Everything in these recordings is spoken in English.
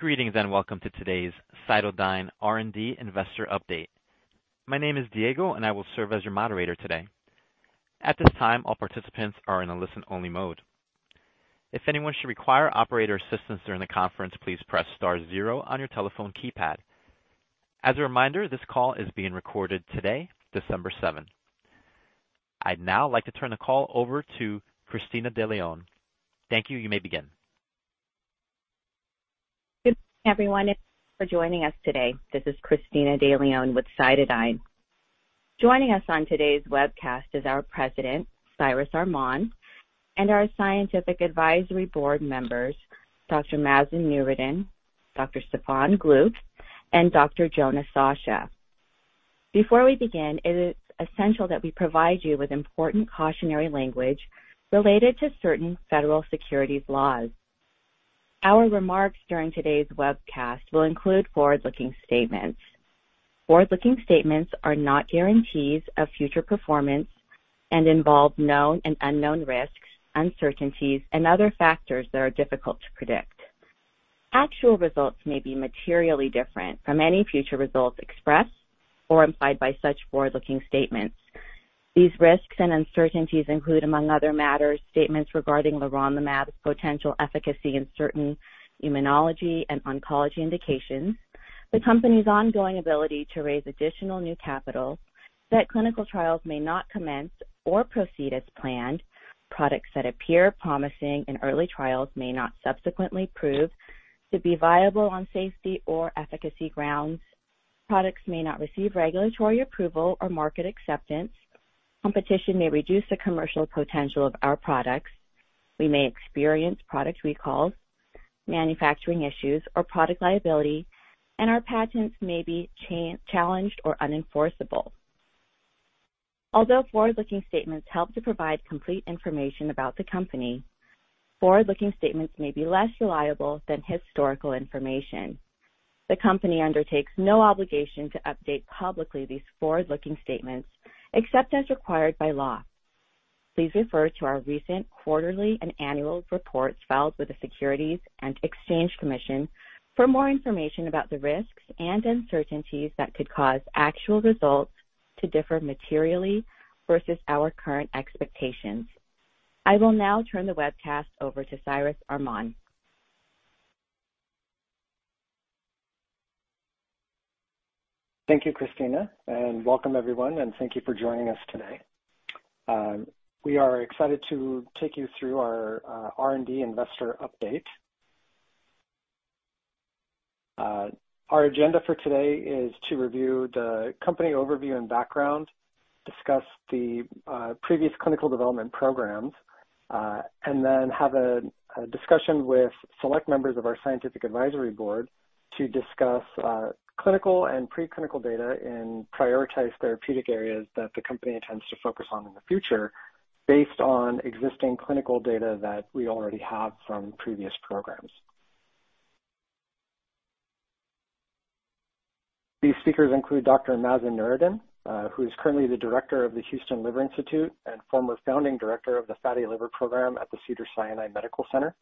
Greetings, and welcome to today's CytoDyn R&D Investor update. My name is Diego, and I will serve as your moderator today. At this time, all participants are in a listen-only mode. If anyone should require operator assistance during the conference, please press star 0 on your telephone keypad. As a reminder, this call is being recorded today, December 7. I'd now like to turn the call over to Cristina De Leon. Thank you. You may begin. Good everyone for joining us today. This is Cristina De Leon with CytoDyn. Joining us on today's webcast is our President, Cyrus Arman, and our Scientific Advisory Board members, Dr. Mazen Noureddin, Dr. Stefan Glück, and Dr. Jonah Sacha. Before we begin, it is essential that we provide you with important cautionary language related to certain federal securities laws. Our remarks during today's webcast will include forward-looking statements. Forward-looking statements are not guarantees of future performance and involve known and unknown risks, uncertainties, and other factors that are difficult to predict. Actual results may be materially different from any future results expressed or implied by such forward-looking statements. These risks and uncertainties include, among other matters, statements regarding the leronlimab's potential efficacy in certain immunology and oncology indications, the Company's ongoing ability to raise additional new capital, that clinical trials may not commence or proceed as planned, products that appear promising in early trials may not subsequently prove to be viable on safety or efficacy grounds, products may not receive regulatory approval or market acceptance, competition may reduce the commercial potential of our products, we may experience product recalls, manufacturing issues or product liability, and our patents may be challenged or unenforceable. Forward-looking statements help to provide complete information about the company, forward-looking statements may be less reliable than historical information. The company undertakes no obligation to update publicly these forward-looking statements, except as required by law. Please refer to our recent quarterly and annual reports filed with the Securities and Exchange Commission for more information about the risks and uncertainties that could cause actual results to differ materially versus our current expectations. I will now turn the webcast over to Cyrus Arman. Thank you, Cristina. Welcome everyone, and thank you for joining us today. We are excited to take you through our R&D investor update. Our agenda for today is to review the company overview and background, discuss the previous clinical development programs, then have a discussion with select members of our scientific advisory board to discuss clinical and preclinical data in prioritized therapeutic areas that the company intends to focus on in the future based on existing clinical data that we already have from previous programs. These speakers include Dr. Mazen Noureddin, who is currently the Director of the Houston Liver Institute and former Founding Director of the Fatty Liver Program at the Cedars-Sinai Medical Center.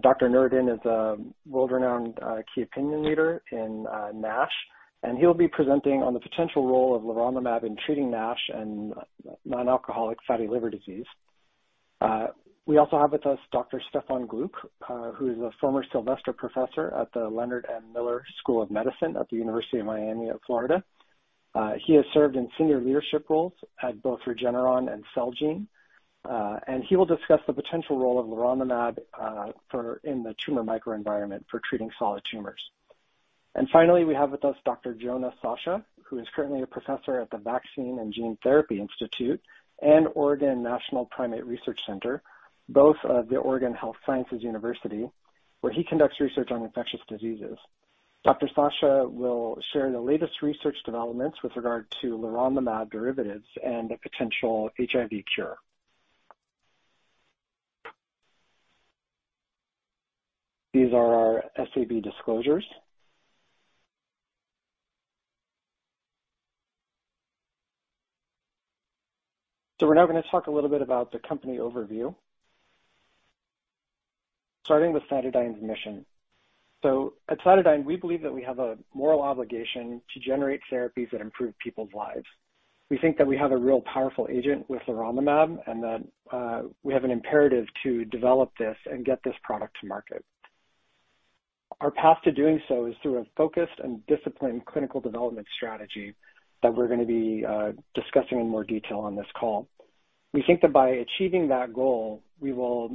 Dr. Noureddin is a world-renowned key opinion leader in NASH, and he'll be presenting on the potential role of leronlimab in treating NASH and non-alcoholic fatty liver disease. We also have with us Dr. Stefan Glück, who is a former Sylvester Professor at the Leonard M. Miller School of Medicine at the University of Miami of Florida. He has served in senior leadership roles at both Regeneron and Celgene, and he will discuss the potential role of leronlimab in the tumor microenvironment for treating solid tumors. Finally, we have with us Dr. Jonah Sacha, who is currently a Professor at the Vaccine and Gene Therapy Institute and Oregon National Primate Research Center, both of the Oregon Health & Science University, where he conducts research on infectious diseases. Sacha will share the latest research developments with regard to leronlimab derivatives and a potential HIV cure. These are our SAB disclosures. We're now gonna talk a little bit about the company overview, starting with CytoDyn's mission. At CytoDyn, we believe that we have a moral obligation to generate therapies that improve people's lives. We think that we have a real powerful agent with leronlimab and that we have an imperative to develop this and get this product to market. Our path to doing so is through a focused and disciplined clinical development strategy that we're gonna be discussing in more detail on this call. We think that by achieving that goal, we will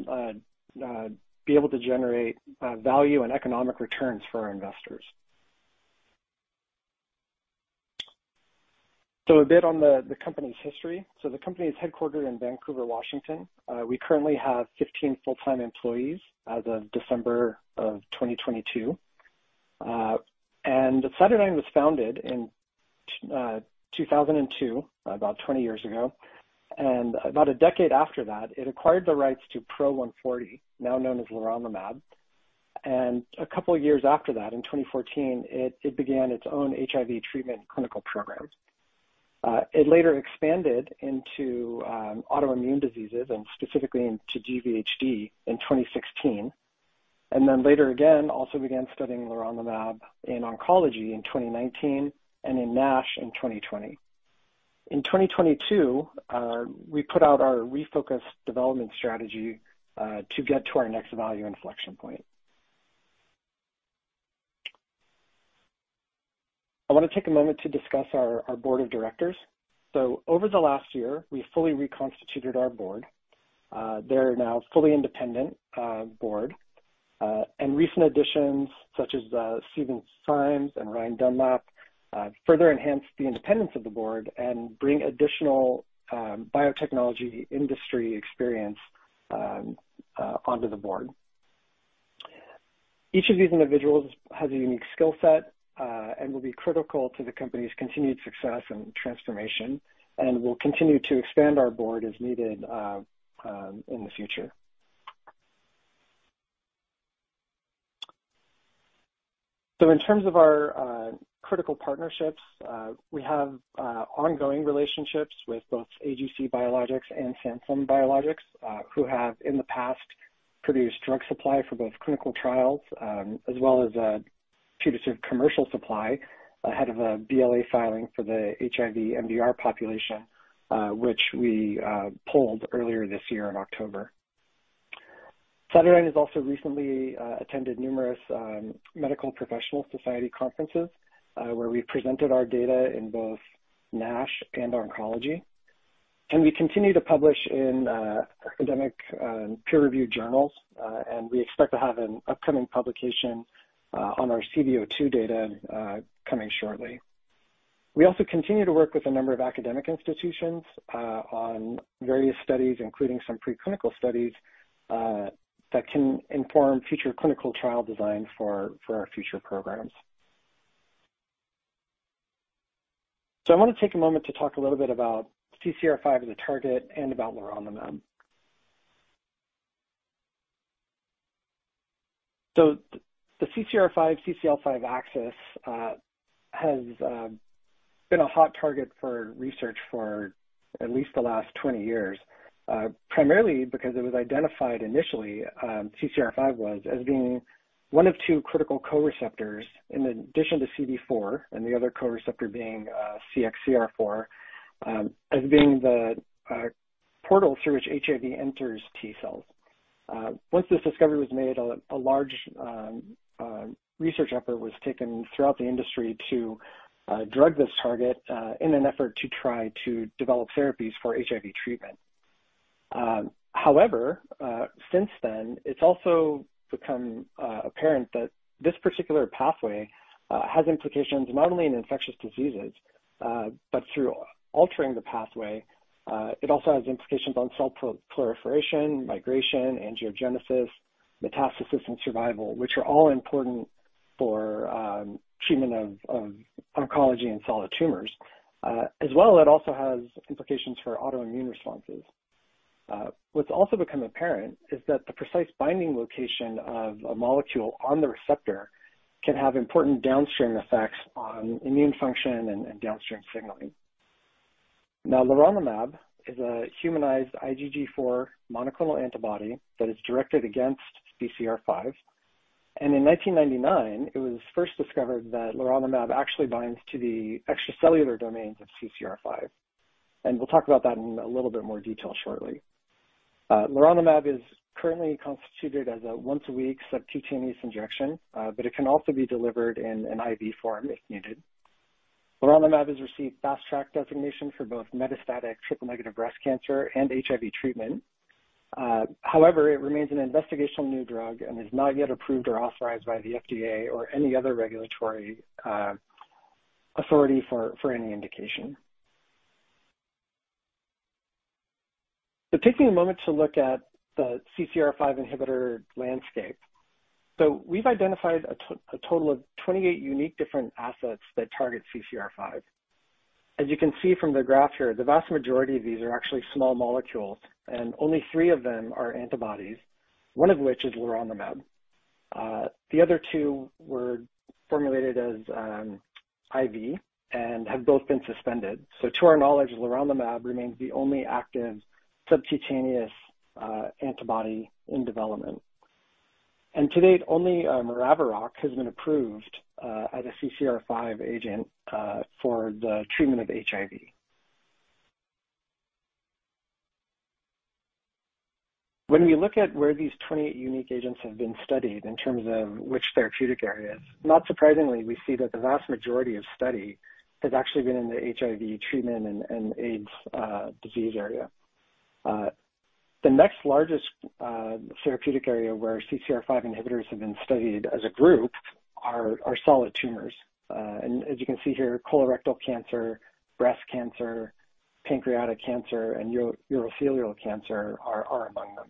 be able to generate value and economic returns for our investors. A bit on the company's history. The company is headquartered in Vancouver, Washington. We currently have 15 full-time employees as of December of 2022. CytoDyn was founded in 2002, about 20 years ago. About a decade after that, it acquired the rights to PRO 140, now known as leronlimab. A couple of years after that, in 2014, it began its own HIV treatment clinical program. It later expanded into autoimmune diseases and specifically into GvHD in 2016. Later again, also began studying leronlimab in oncology in 2019, and in NASH in 2020. In 2022, we put out our refocused development strategy to get to our next value inflection point. I wanna take a moment to discuss our board of directors. Over the last year, we fully reconstituted our board. They're now a fully independent board. Recent additions, such as Stephen Simes and Ryan Dunlap, further enhance the independence of the board and bring additional biotechnology industry experience onto the board. Each of these individuals has a unique skill set and will be critical to the company's continued success and transformation. We'll continue to expand our board as needed in the future. In terms of our critical partnerships, we have ongoing relationships with both AGC Biologics and Samsung Biologics, who have in the past produced drug supply for both clinical trials, as well as to distribute commercial supply ahead of a BLA filing for the HIV MDR population, which we pulled earlier this year in October. CytoDyn has also recently attended numerous medical professional society conferences where we presented our data in both NASH and oncology. We continue to publish in academic peer-reviewed journals. We expect to have an upcoming publication on our CD02 data coming shortly. We also continue to work with a number of academic institutions on various studies, including some preclinical studies that can inform future clinical trial design for our future programs. I wanna take a moment to talk a little bit about CCR5 as a target and about leronlimab. The CCR5 CCL5 axis has been a hot target for research for at least the last 20 years. Primarily because it was identified initially, CCR5 was, as being one of two critical co-receptors in addition to CD4 and the other co-receptor being CXCR4, as being the portal through which HIV enters T cells. Once this discovery was made, a large research effort was taken throughout the industry to drug this target in an effort to try to develop therapies for HIV treatment. However, since then, it's also become apparent that this particular pathway has implications not only in infectious diseases, but through altering the pathway, it also has implications on cell proliferation, migration, angiogenesis, metastasis, and survival, which are all important for treatment of oncology and solid tumors. As well, it also has implications for autoimmune responses. What's also become apparent is that the precise binding location of a molecule on the receptor can have important downstream effects on immune function and downstream signaling. Now, leronlimab is a humanized IgG4 monoclonal antibody that is directed against CCR5. In 1999, it was first discovered that leronlimab actually binds to the extracellular domains of CCR5, and we'll talk about that in a little bit more detail shortly. Leronlimab is currently constituted as a once a week subcutaneous injection, but it can also be delivered in an IV form if needed. Leronlimab has received fast track designation for both metastatic triple negative breast cancer and HIV treatment. However, it remains an investigational new drug and is not yet approved or authorized by the FDA or any other regulatory authority for any indication. Taking a moment to look at the CCR5 inhibitor landscape. We've identified a total of 28 unique different assets that target CCR5. As you can see from the graph here, the vast majority of these are actually small molecules, and only three of them are antibodies, one of which is leronlimab. The other two were formulated as IV and have both been suspended. To our knowledge, leronlimab remains the only active subcutaneous antibody in development. To date, only Maraviroc has been approved as a CCR5 agent for the treatment of HIV. When we look at where these 28 unique agents have been studied in terms of which therapeutic areas, not surprisingly, we see that the vast majority of study has actually been in the HIV treatment and AIDS disease area. The next largest therapeutic area where CCR5 inhibitors have been studied as a group are solid tumors. As you can see here, colorectal cancer, breast cancer, pancreatic cancer, and urothelial cancer are among them.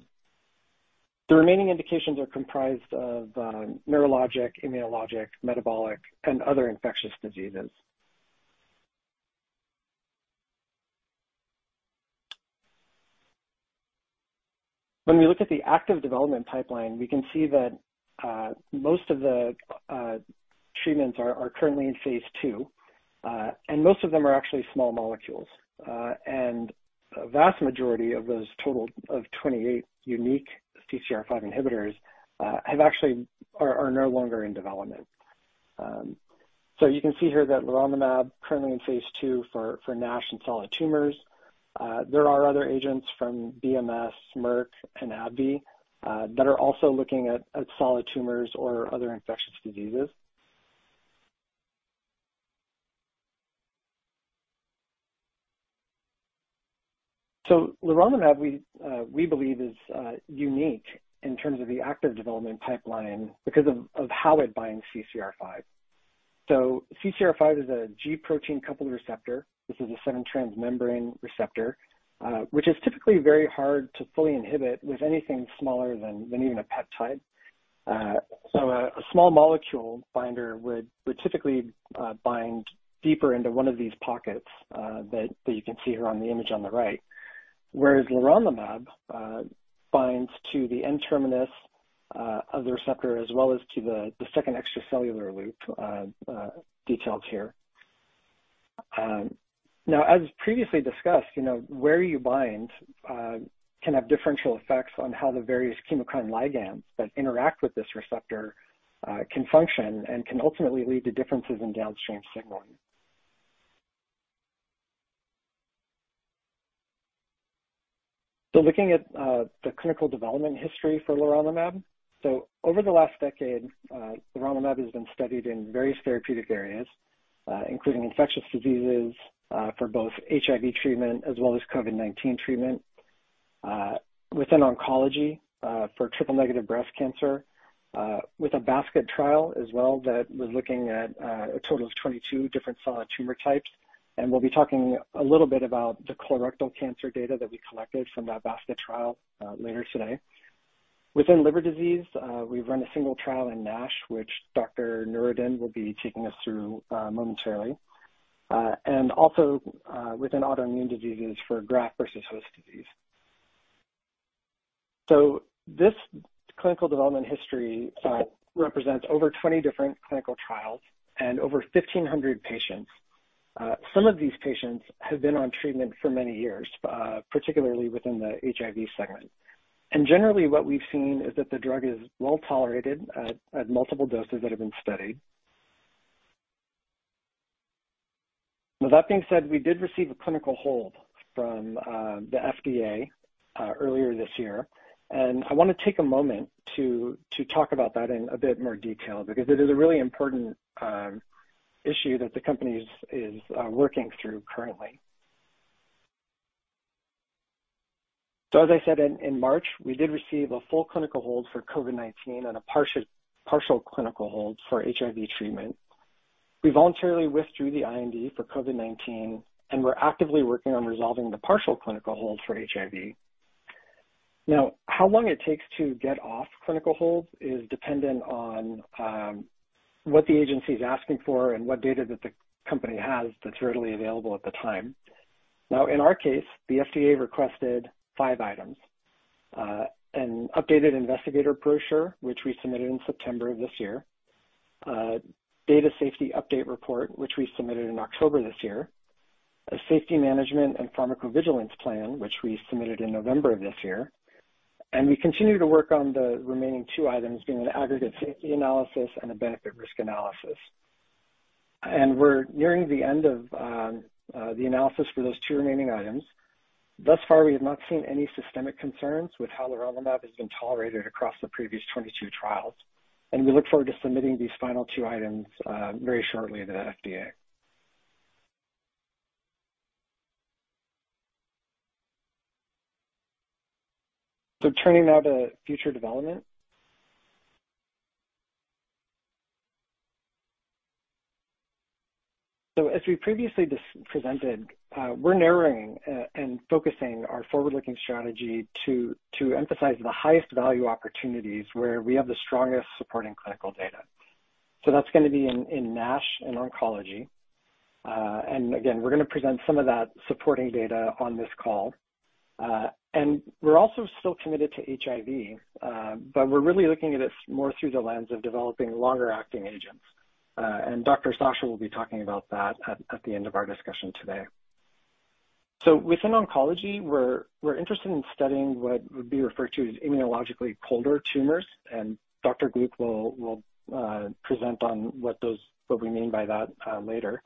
The remaining indications are comprised of neurologic, immunologic, metabolic, and other infectious diseases. When we look at the active development pipeline, we can see that most of the treatments are currently in Phase 2, and most of them are actually small molecules. A vast majority of those total of 28 unique CCR5 inhibitors have actually are no longer in development. You can see here that leronlimab currently in Phase 2 for NASH and solid tumors. There are other agents from BMS, Merck, and AbbVie that are also looking at solid tumors or other infectious diseases. Leronlimab, we believe is unique in terms of the active development pipeline because of how it binds CCR5. CCR5 is a G protein-coupled receptor. This is a seven-transmembrane receptor, which is typically very hard to fully inhibit with anything smaller than even a peptide. A small molecule binder would typically bind deeper into one of these pockets that you can see here on the image on the right. Whereas leronlimab binds to the N-terminus of the receptor, as well as to the second extracellular loop detailed here. Now, as previously discussed, you know, where you bind can have differential effects on how the various chemokine ligands that interact with this receptor can function and can ultimately lead to differences in downstream signaling. Looking at the clinical development history for leronlimab. Over the last decade, leronlimab has been studied in various therapeutic areas, including infectious diseases, for both HIV treatment as well as COVID-19 treatment. Within oncology, for triple negative breast cancer, with a basket trial as well that was looking at a total of 22 different solid tumor types. We'll be talking a little bit about the colorectal cancer data that we collected from that basket trial later today. Within liver disease, we've run a single trial in NASH, which Dr. Noureddin will be taking us through momentarily. And also, within autoimmune diseases for graft versus host disease. This clinical development history represents over 20 different clinical trials and over 1,500 patients. Some of these patients have been on treatment for many years, particularly within the HIV segment. Generally, what we've seen is that the drug is well-tolerated at multiple doses that have been studied. With that being said, we did receive a clinical hold from the FDA earlier this year, and I wanna take a moment to talk about that in a bit more detail because it is a really important issue that the company is working through currently. As I said, in March, we did receive a full clinical hold for COVID-19 and a partial clinical hold for HIV treatment. We voluntarily withdrew the IND for COVID-19, and we're actively working on resolving the partial clinical hold for HIV. How long it takes to get off clinical hold is dependent on what the agency is asking for and what data that the company has that's readily available at the time. In our case, the FDA requested five items. An updated investigator brochure, which we submitted in September of this year, data safety update report, which we submitted in October this year, a safety management and pharmacovigilance plan, which we submitted in November of this year, and we continue to work on the remaining two items, being an aggregate safety analysis and a benefit risk analysis. We're nearing the end of the analysis for those two remaining items. Thus far, we have not seen any systemic concerns with how leronlimab has been tolerated across the previous 22 trials, and we look forward to submitting these final two items very shortly to the FDA. Turning now to future development. As we previously presented, we're narrowing and focusing our forward-looking strategy to emphasize the highest value opportunities where we have the strongest supporting clinical data. That's gonna be in NASH and oncology. Again, we're gonna present some of that supporting data on this call. We're also still committed to HIV, but we're really looking at it more through the lens of developing longer acting agents. Dr. Sasha will be talking about that at the end of our discussion today. Within oncology, we're interested in studying what would be referred to as immunologically colder tumors, and Dr. Stefan Glück will present on what we mean by that later.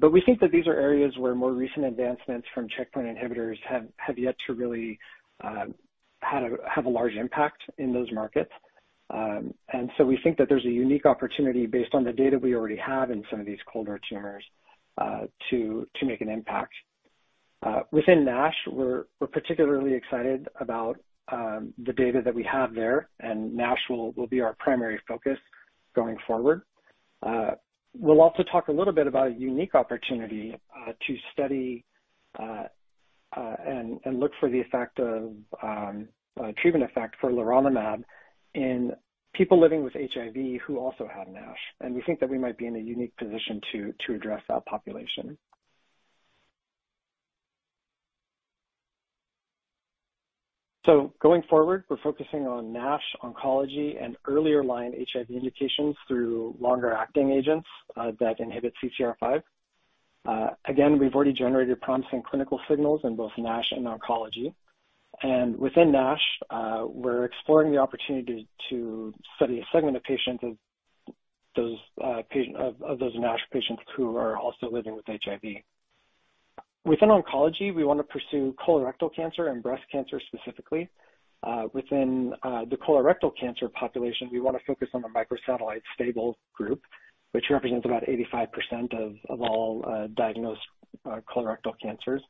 We think that these are areas where more recent advancements from checkpoint inhibitors have yet to really have a large impact in those markets. We think that there's a unique opportunity based on the data we already have in some of these colder tumors to make an impact. Within NASH, we're particularly excited about the data that we have there, NASH will be our primary focus going forward. We'll also talk a little bit about a unique opportunity to study and look for the effect of treatment effect for leronlimab in people living with HIV who also have NASH. We think that we might be in a unique position to address that population. Going forward, we're focusing on NASH, oncology, and earlier line HIV indications through longer acting agents that inhibit CCR5. Again, we've already generated promising clinical signals in both NASH and oncology. Within NASH, we're exploring the opportunity to study a segment of patients of those NASH patients who are also living with HIV. Within oncology, we wanna pursue colorectal cancer and breast cancer specifically. Within the colorectal cancer population, we wanna focus on the microsatellite stable group, which represents about 85% of all diagnosed colorectal cancers.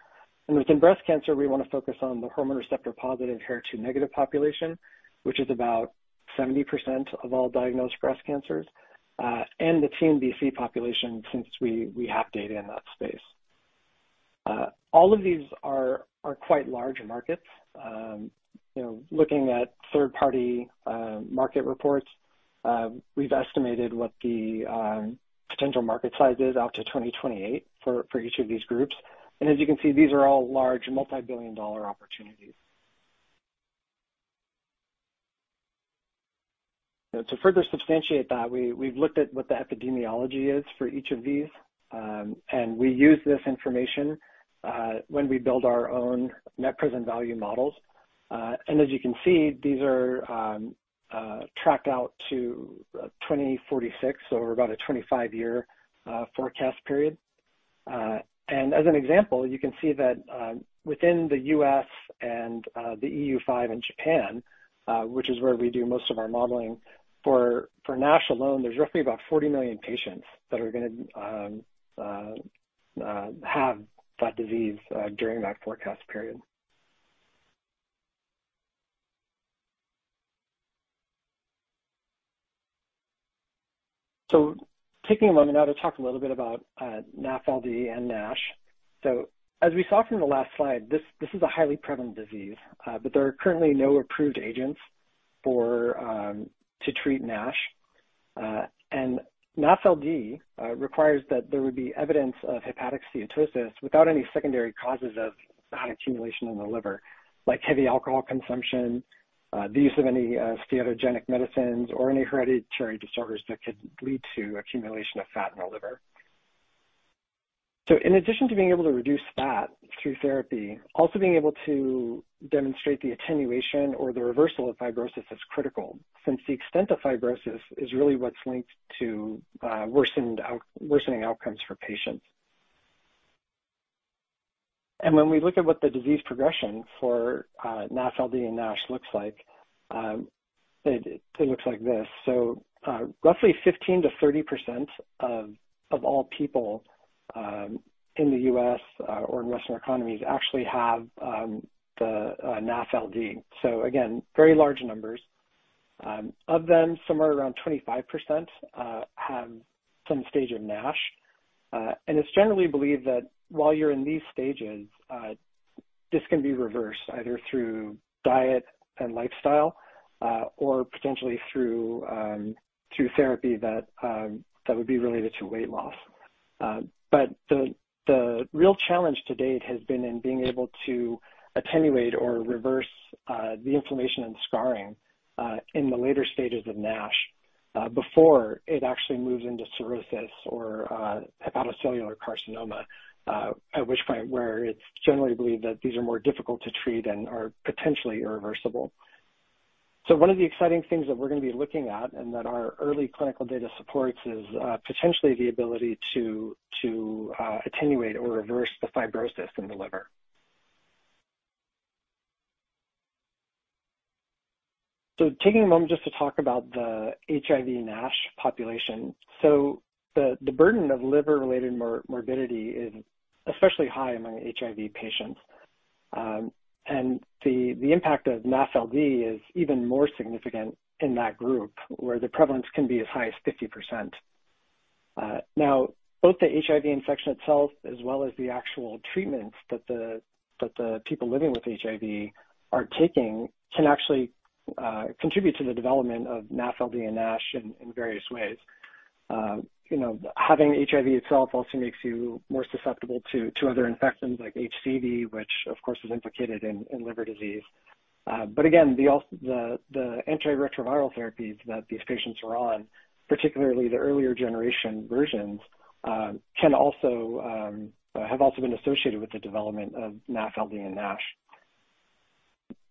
Within breast cancer, we wanna focus on the hormone receptor-positive HER2-negative population, which is about 70% of all diagnosed breast cancers, and the TNBC population since we have data in that space. All of these are quite large markets. You know, looking at third-party market reports, we've estimated what the potential market size is out to 2028 for each of these groups. As you can see, these are all large multi-billion dollar opportunities. To further substantiate that, we've looked at what the epidemiology is for each of these, and we use this information when we build our own net present value models. As you can see, these are tracked out to 2046, so over about a 25-year forecast period. As an example, you can see that within the U.S. and the EU5 and Japan, which is where we do most of our modeling, for NASH alone, there's roughly about 40 million patients that are gonna have that disease during that forecast period. Taking a moment now to talk a little bit about NAFLD and NASH. As we saw from the last slide, this is a highly prevalent disease, but there are currently no approved agents for to treat NASH. NAFLD requires that there would be evidence of hepatic steatosis without any secondary causes of fat accumulation in the liver, like heavy alcohol consumption, the use of any steatogenic medicines or any hereditary disorders that could lead to accumulation of fat in the liver. In addition to being able to reduce fat through therapy, also being able to demonstrate the attenuation or the reversal of fibrosis is critical, since the extent of fibrosis is really what's linked to worsening outcomes for patients. When we look at what the disease progression for NAFLD and NASH looks like, it looks like this. Roughly 15%-30% of all people in the U.S. or in Western economies actually have NAFLD. Again, very large numbers. Of them, somewhere around 25% have some stage of NASH. It's generally believed that while you're in these stages, this can be reversed either through diet and lifestyle, or potentially through therapy that would be related to weight loss. But the real challenge to date has been in being able to attenuate or reverse the inflammation and scarring in the later stages of NASH before it actually moves into cirrhosis or hepatocellular carcinoma, at which point where it's generally believed that these are more difficult to treat and are potentially irreversible. One of the exciting things that we're gonna be looking at and that our early clinical data supports is potentially the ability to attenuate or reverse the fibrosis in the liver. Taking a moment just to talk about the HIV NASH population. The burden of liver-related morbidity is especially high among HIV patients. And the impact of NAFLD is even more significant in that group, where the prevalence can be as high as 50%. Now, both the HIV infection itself as well as the actual treatments that the people living with HIV are taking can actually contribute to the development of NAFLD and NASH in various ways. You know, having HIV itself also makes you more susceptible to other infections like HCV, which of course is implicated in liver disease. Again, the antiretroviral therapies that these patients are on, particularly the earlier generation versions, can also have also been associated with the development of NAFLD and NASH.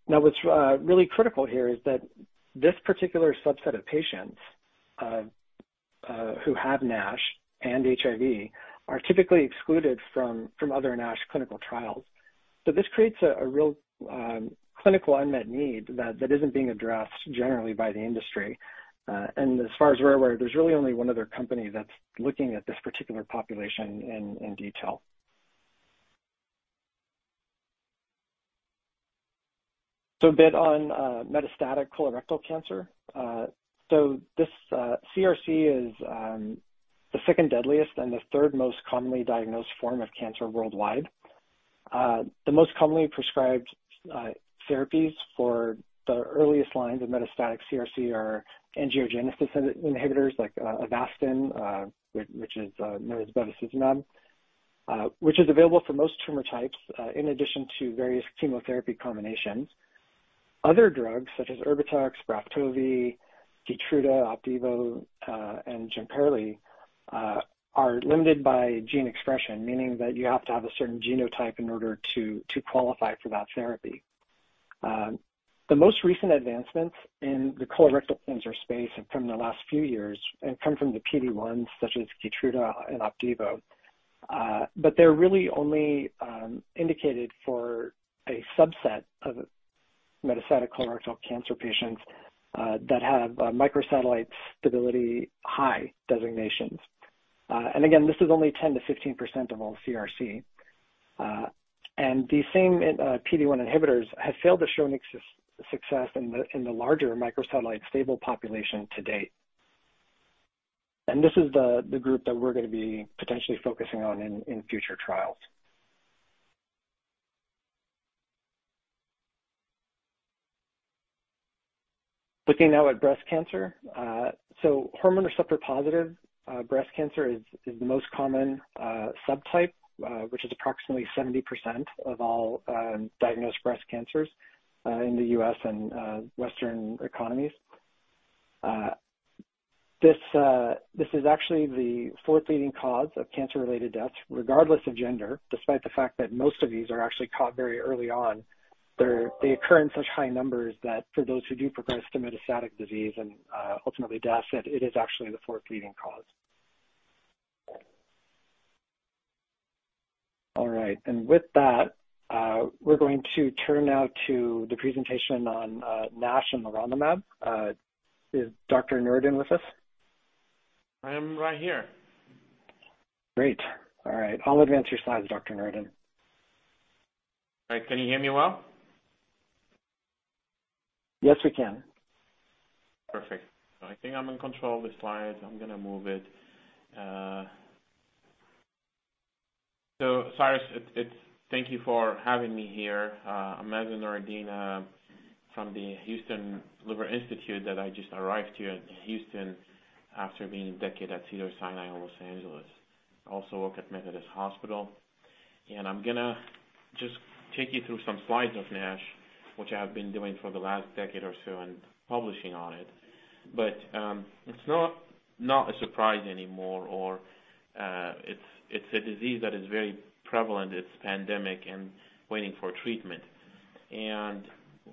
Now, what's really critical here is that this particular subset of patients who have NASH and HIV are typically excluded from other NASH clinical trials. This creates a real clinical unmet need that isn't being addressed generally by the industry. As far as we're aware, there's really only one other company that's looking at this particular population in detail. A bit on metastatic colorectal cancer. This CRC is the second deadliest and the third most commonly diagnosed form of cancer worldwide. The most commonly prescribed therapies for the earliest lines of metastatic CRC are angiogenesis inhibitors like Avastin, which is known as bevacizumab, which is available for most tumor types in addition to various chemotherapy combinations. Other drugs such as Erbitux, Braftovi, Keytruda, Opdivo, and [Neupro] are limited by gene expression, meaning that you have to have a certain genotype in order to qualify for that therapy. The most recent advancements in the colorectal cancer space have come in the last few years, and come from the PD-1s such as Keytruda and Opdivo. They're really only indicated for a subset of metastatic colorectal cancer patients that have microsatellite stability high designations. Again, this is only 10%-15% of all CRC. The same in PD-1 inhibitors have failed to show success in the larger microsatellite stable population to date. This is the group that we're gonna be potentially focusing on in future trials. Looking now at breast cancer. Hormone receptor-positive breast cancer is the most common subtype, which is approximately 70% of all diagnosed breast cancers in the U.S. and Western economies. This is actually the fourth leading cause of cancer-related deaths, regardless of gender, despite the fact that most of these are actually caught very early on. They occur in such high numbers that for those who do progress to metastatic disease and ultimately death, that it is actually the fourth leading cause. All right. With that, we're going to turn now to the presentation on NASH and leronlimab. Is Dr. Noureddin with us? I am right here. Great. All right. I'll advance your slides, Dr. Noureddin. All right. Can you hear me well? Yes, we can. Perfect. I think I'm in control of the slides. I'm gonna move it. Cyrus, it's thank you for having me here. I'm Mazen Noureddin, from the Houston Liver Institute that I just arrived to Houston after being a decade at Cedars-Sinai in Los Angeles. I also work at Methodist Hospital. I'm gonna just take you through some slides of NASH, which I have been doing for the last decade or so and publishing on it. It's not a surprise anymore or, it's a disease that is very prevalent, it's pandemic and waiting for treatment.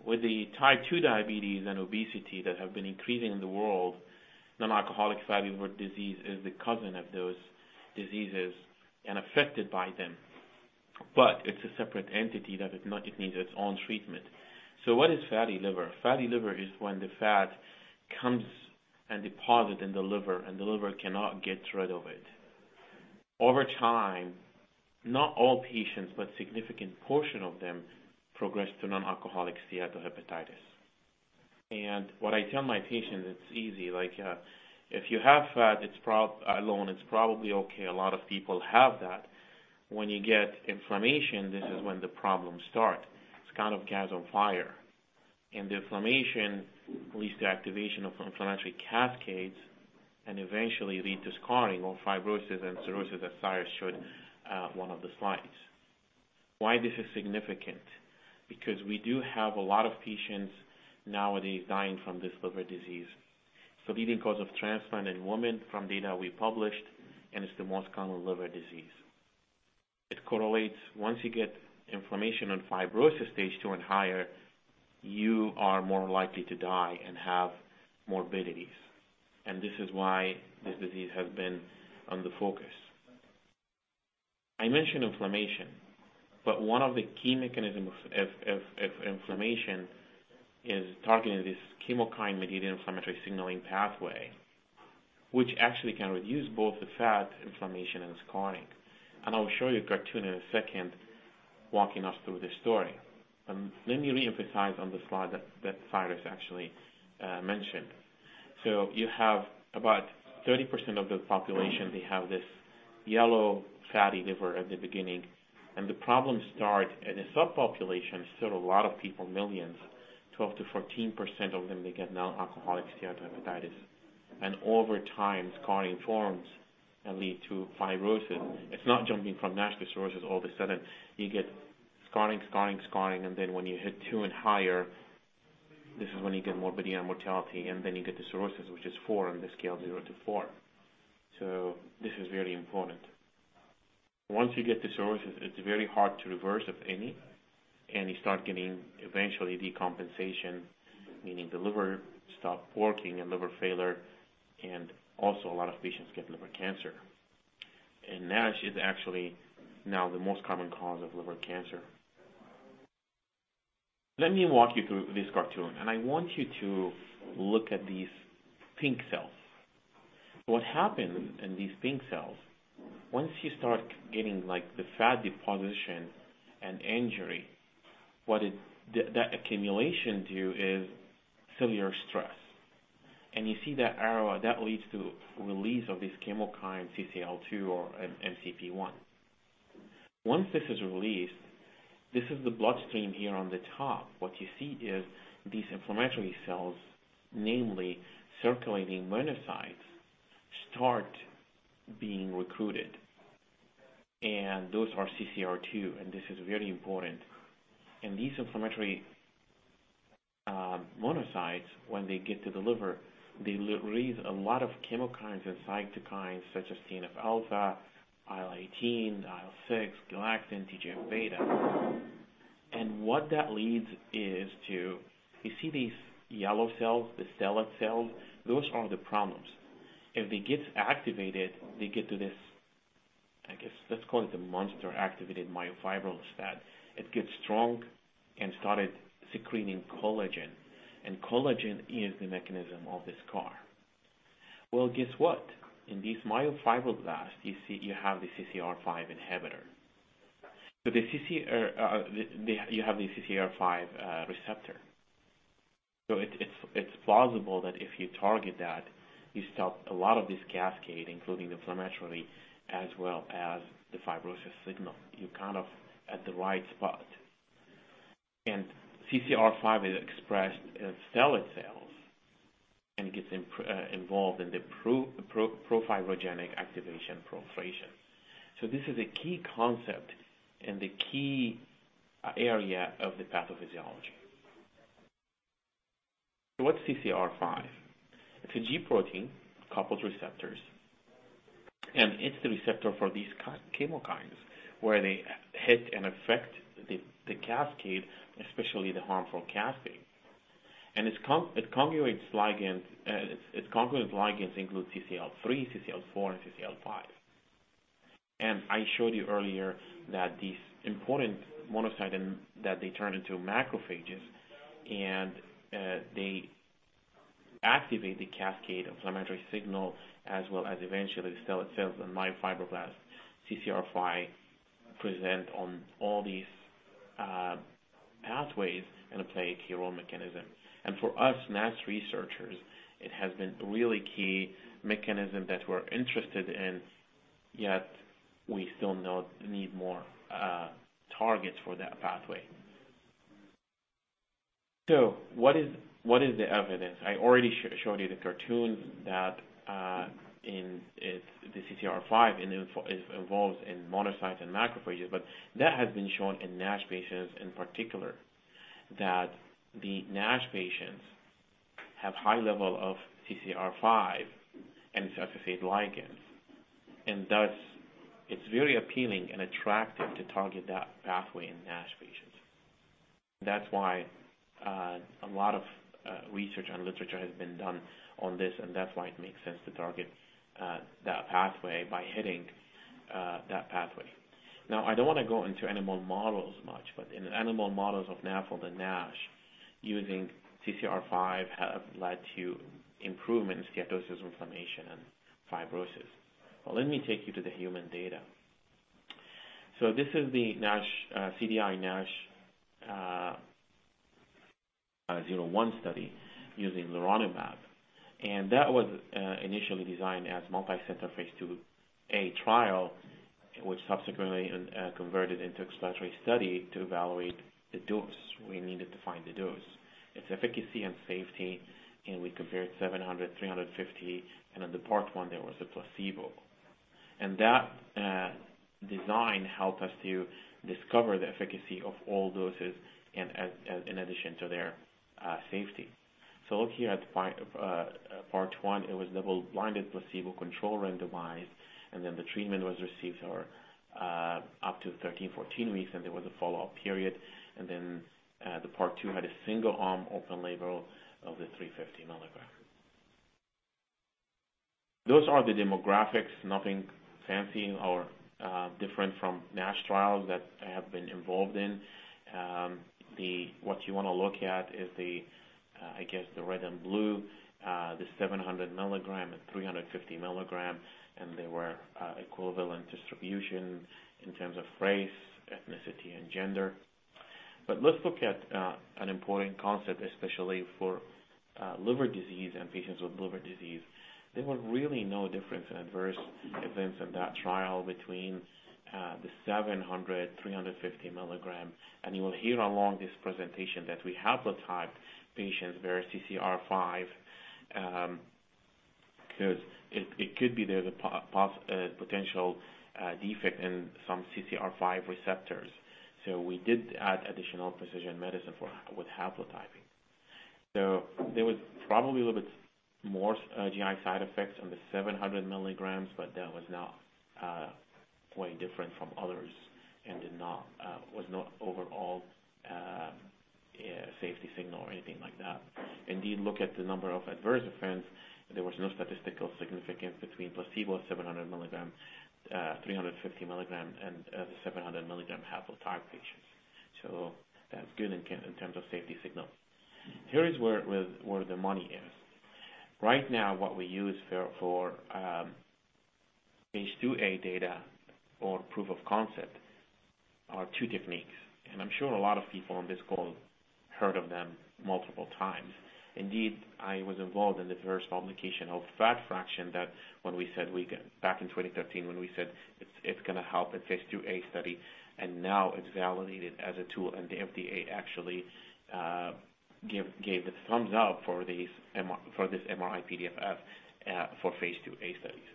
With the type 2 diabetes and obesity that have been increasing in the world, non-alcoholic fatty liver disease is the cousin of those diseases and affected by them. It's a separate entity. It needs its own treatment. What is fatty liver? Fatty liver is when the fat comes and deposits in the liver, and the liver cannot get rid of it. Over time, not all patients, but significant portion of them progress to non-alcoholic steatohepatitis. What I tell my patients, it's easy. Like, if you have fat, alone, it's probably okay. A lot of people have that. When you get inflammation, this is when the problems start. It's kind of catches on fire. The inflammation leads to activation of inflammatory cascades, and eventually leads to scarring or fibrosis and cirrhosis as Cyrus showed, one of the slides. Why this is significant? We do have a lot of patients nowadays dying from this liver disease. It's the leading cause of transplant in women from data we published, and it's the most common liver disease. It correlates, once you get inflammation on fibrosis stage two and higher, you are more likely to die and have morbidities. This is why this disease has been on the focus. I mentioned inflammation, but one of the key mechanisms of inflammation is targeting this chemokine mediated inflammatory signaling pathway, which actually can reduce both the fat inflammation and scarring. I will show you a cartoon in a second walking us through this story. Let me reemphasize on the slide that Cyrus actually mentioned. You have about 30% of the population, they have this yellow fatty liver at the beginning, and the problem start in a subpopulation, still a lot of people, millions, 12%-14% of them, they get non-alcoholic steatohepatitis. Over time, scarring forms and lead to fibrosis. It's not jumping from NASH to cirrhosis all of a sudden. You get scarring, scarring, and then when you hit 2 and higher, this is when you get morbidity and mortality, and then you get the cirrhosis, which is 4 on the scale of 0-4. This is very important. Once you get the cirrhosis, it's very hard to reverse, if any. You start getting eventually decompensation, meaning the liver stop working and liver failure, and also a lot of patients get liver cancer. NASH is actually now the most common cause of liver cancer. Let me walk you through this cartoon, and I want you to look at these pink cells. What happens in these pink cells, once you start getting like the fat deposition and injury, what it... That accumulation do is cellular stress. You see that arrow, that leads to release of this chemokine CCL2 or MCP-1. Once this is released, this is the bloodstream here on the top. What you see is these inflammatory cells, namely circulating monocytes, start being recruited, and those are CCR2, and this is very important. These inflammatory monocytes, when they get to the liver, they release a lot of chemokines and cytokines such as TNF-alpha, IL-18, IL-6, galectin, TGF-beta. What that leads is to, you see these yellow cells, the stellate cells, those are the problems. If it gets activated, they get to this, I guess, let's call it the monster activated myofibroblast. It gets strong and started secreting collagen is the mechanism of the scar. Guess what? In these myofibroblasts, you see you have the CCR5 inhibitor. The CC or the, you have the CCR5 receptor. It's plausible that if you target that, you stop a lot of this cascade, including the inflammatory as well as the fibrosis signal. You're kind of at the right spot. CCR5 is expressed in stellate cells, and it gets involved in the pro-fibrogenic activation proliferation. This is a key concept and the key area of the pathophysiology. What's CCR5? It's a G protein-coupled receptors, and it's the receptor for these chemokines, where they hit and affect the cascade, especially the harmful cascade. Its conjugate ligands include CCL3, CCL4, and CCL5. I showed you earlier that these important monocytes, and that they turn into macrophages, and they activate the cascade of inflammatory signal, as well as eventually the stellate cells and myofibroblast. CCR5 present on all these pathways and play a key role mechanism. For us, NASH researchers, it has been really key mechanism that we're interested in, yet we still not need more targets for that pathway. What is the evidence? I already showed you the cartoon that in it's the CCR5 involved in monocytes and macrophages, but that has been shown in NASH patients in particular, that the NASH patients have high level of CCR5 and its associated ligands. Thus it's very appealing and attractive to target that pathway in NASH patients. That's why a lot of research and literature has been done on this, and that's why it makes sense to target that pathway by hitting that pathway. I don't wanna go into animal models much, but in animal models of NAFLD and NASH, using CCR5 have led to improvement in sclerosis, inflammation, and fibrosis. Let me take you to the human data. This is the NASH CD01-NASH 01 study using leronlimab, and that was initially designed as multi-center Phase 2a trial, which subsequently converted into exploratory study to evaluate the dose. We needed to find the dose, its efficacy and safety, and we compared 700, 350, and in the part 1 there was a placebo. That design helped us to discover the efficacy of all doses in addition to their safety. Looking at part 1, it was double-blinded, placebo-controlled, randomized, and then the treatment was received for up to 13, 14 weeks, and there was a follow-up period. The part two had a single arm open label of the 350 milligram. Those are the demographics, nothing fancy or different from NASH trials that I have been involved in. What you wanna look at is the, I guess the red and blue, the 700 milligram and 350 milligram, and they were equivalent distribution in terms of race, ethnicity, and gender. Let's look at an important concept, especially for liver disease and patients with liver disease. There were really no difference in adverse events in that trial between the 700 mg, 350 mg. You will hear along this presentation that we have the type patients where CCR5, because it could be there's a potential defect in some CCR5 receptors. We did add additional precision medicine for with haplotyping. There was probably a little bit more GI side effects on the 700 mg, but that was not way different from others and did not was not overall safety signal or anything like that. Indeed, look at the number of adverse events. There was no statistical significance between placebo 700 mg, 350 mg and the 700 mg haplotype patients. That's good in terms of safety signal. Here is where the money is. Right now, what we use for Phase 2a data or proof of concept are two techniques, and I'm sure a lot of people on this call heard of them multiple times. Indeed, I was involved in the first publication of fat fraction that when we said back in 2013 when we said it's gonna help in Phase 2a study, and now it's validated as a tool. The FDA actually gave it thumbs up for these for this MRI-PDFF for Phase 2a studies.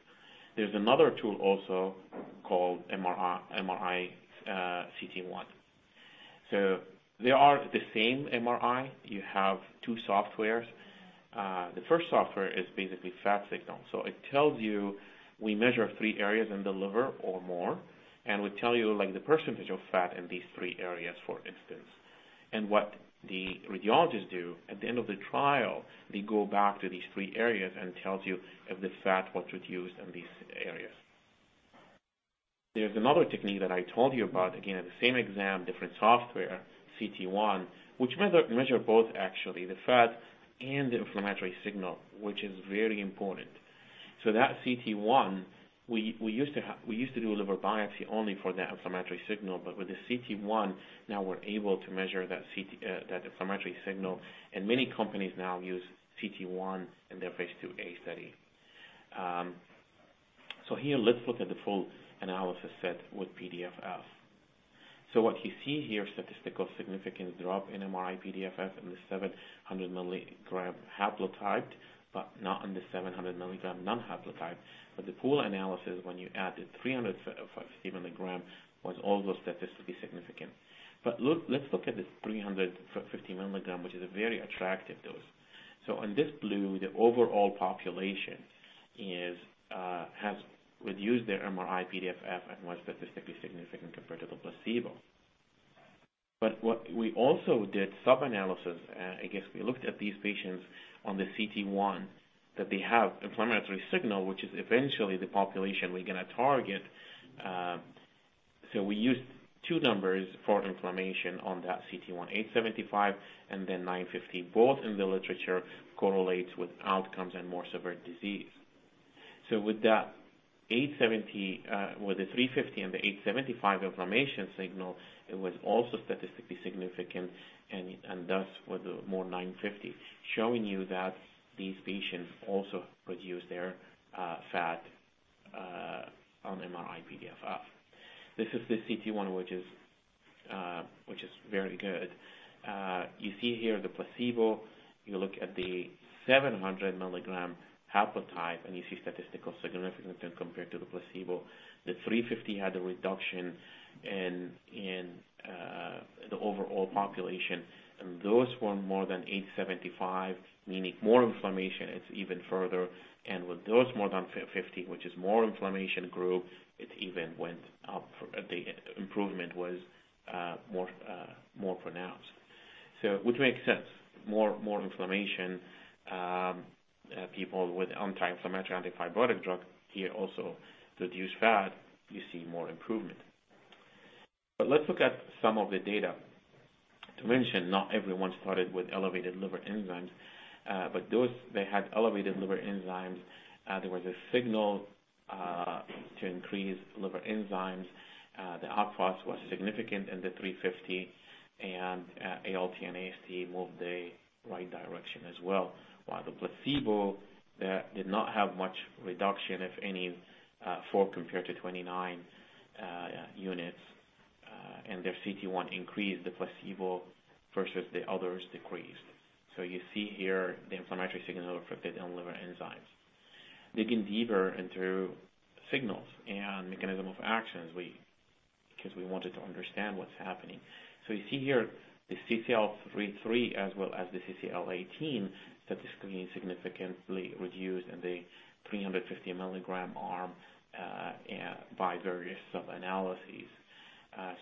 There's another tool also called MRI cT1. They are the same MRI. You have two softwares. The first software is basically fat signal. It tells you we measure three areas in the liver or more, we tell you, like, the percentage of fat in these three areas, for instance. What the radiologists do at the end of the trial, they go back to these three areas and tells you if the fat was reduced in these areas. There's another technique that I told you about, again, at the same exam, different software, cT1, which measure both actually the fat and the inflammatory signal, which is very important. That cT1, we used to do a liver biopsy only for the inflammatory signal, but with the cT1, now we're able to measure that inflammatory signal. Many companies now use cT1 in their Phase 2a study. Here let's look at the full analysis set with PDFF. What you see here, statistical significance drop in MRI-PDFF in the 700 milligram haplotype, but not in the 700 milligram non-haplotype. The pool analysis when you add the 350 milligram was also statistically significant. Look, let's look at this 350 milligram, which is a very attractive dose. On this blue, the overall population is has reduced their MRI-PDFF and was statistically significant compared to the placebo. What we also did subanalysis, I guess we looked at these patients on the cT1, that they have inflammatory signal, which is eventually the population we're gonna target. We used two numbers for inflammation on that cT1, 875 and then 950, both in the literature correlates with outcomes and more severe disease. With that 870, with the 350 and the 875 inflammation signal, it was also statistically significant and thus with the more 950, showing you that these patients also reduced their fat on MRI-PDFF. This is the cT1, which is very good. You see here the placebo. You look at the 700 milligram haplotype, and you see statistical significance when compared to the placebo. The 350 had a reduction in the overall population, and those were more than 875, meaning more inflammation, it's even further. With those more than 50, which is more inflammation group, it even went up for the improvement was more pronounced. Which makes sense, more inflammation, people with anti-inflammatory antibiotic drug here also reduce fat, you see more improvement. Let's look at some of the data. To mention, not everyone started with elevated liver enzymes, but those that had elevated liver enzymes, there was a signal to increase liver enzymes. The PAPS was significant in the 350 and ALT and AST moved the right direction as well. While the placebo did not have much reduction, if any, four compared to 29 units, and their cT1 increased the placebo versus the others decreased. You see here the inflammatory signal reflected on liver enzymes. Digging deeper into signals and mechanism of actions, because we wanted to understand what's happening. You see here the CCL3 as well as the CCL18 statistically significantly reduced in the 350 milligram arm by various sub-analyses.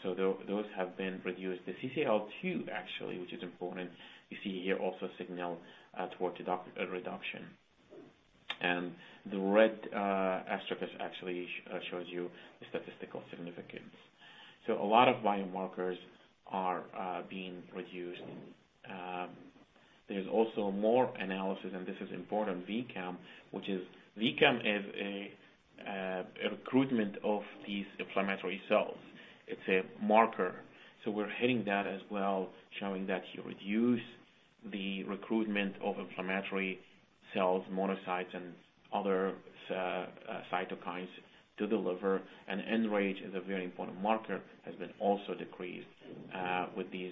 Those have been reduced. The CCL2 actually, which is important, you see here also signal toward reduction. The red asterisk actually shows you the statistical significance. A lot of biomarkers are being reduced. There's also more analysis, and this is important, VCAM, which is VCAM is a recruitment of these inflammatory cells. It's a marker. We're hitting that as well, showing that you reduce the recruitment of inflammatory cells, monocytes, and other cytokines to the liver. EN-RAGE is a very important marker, has been also decreased with these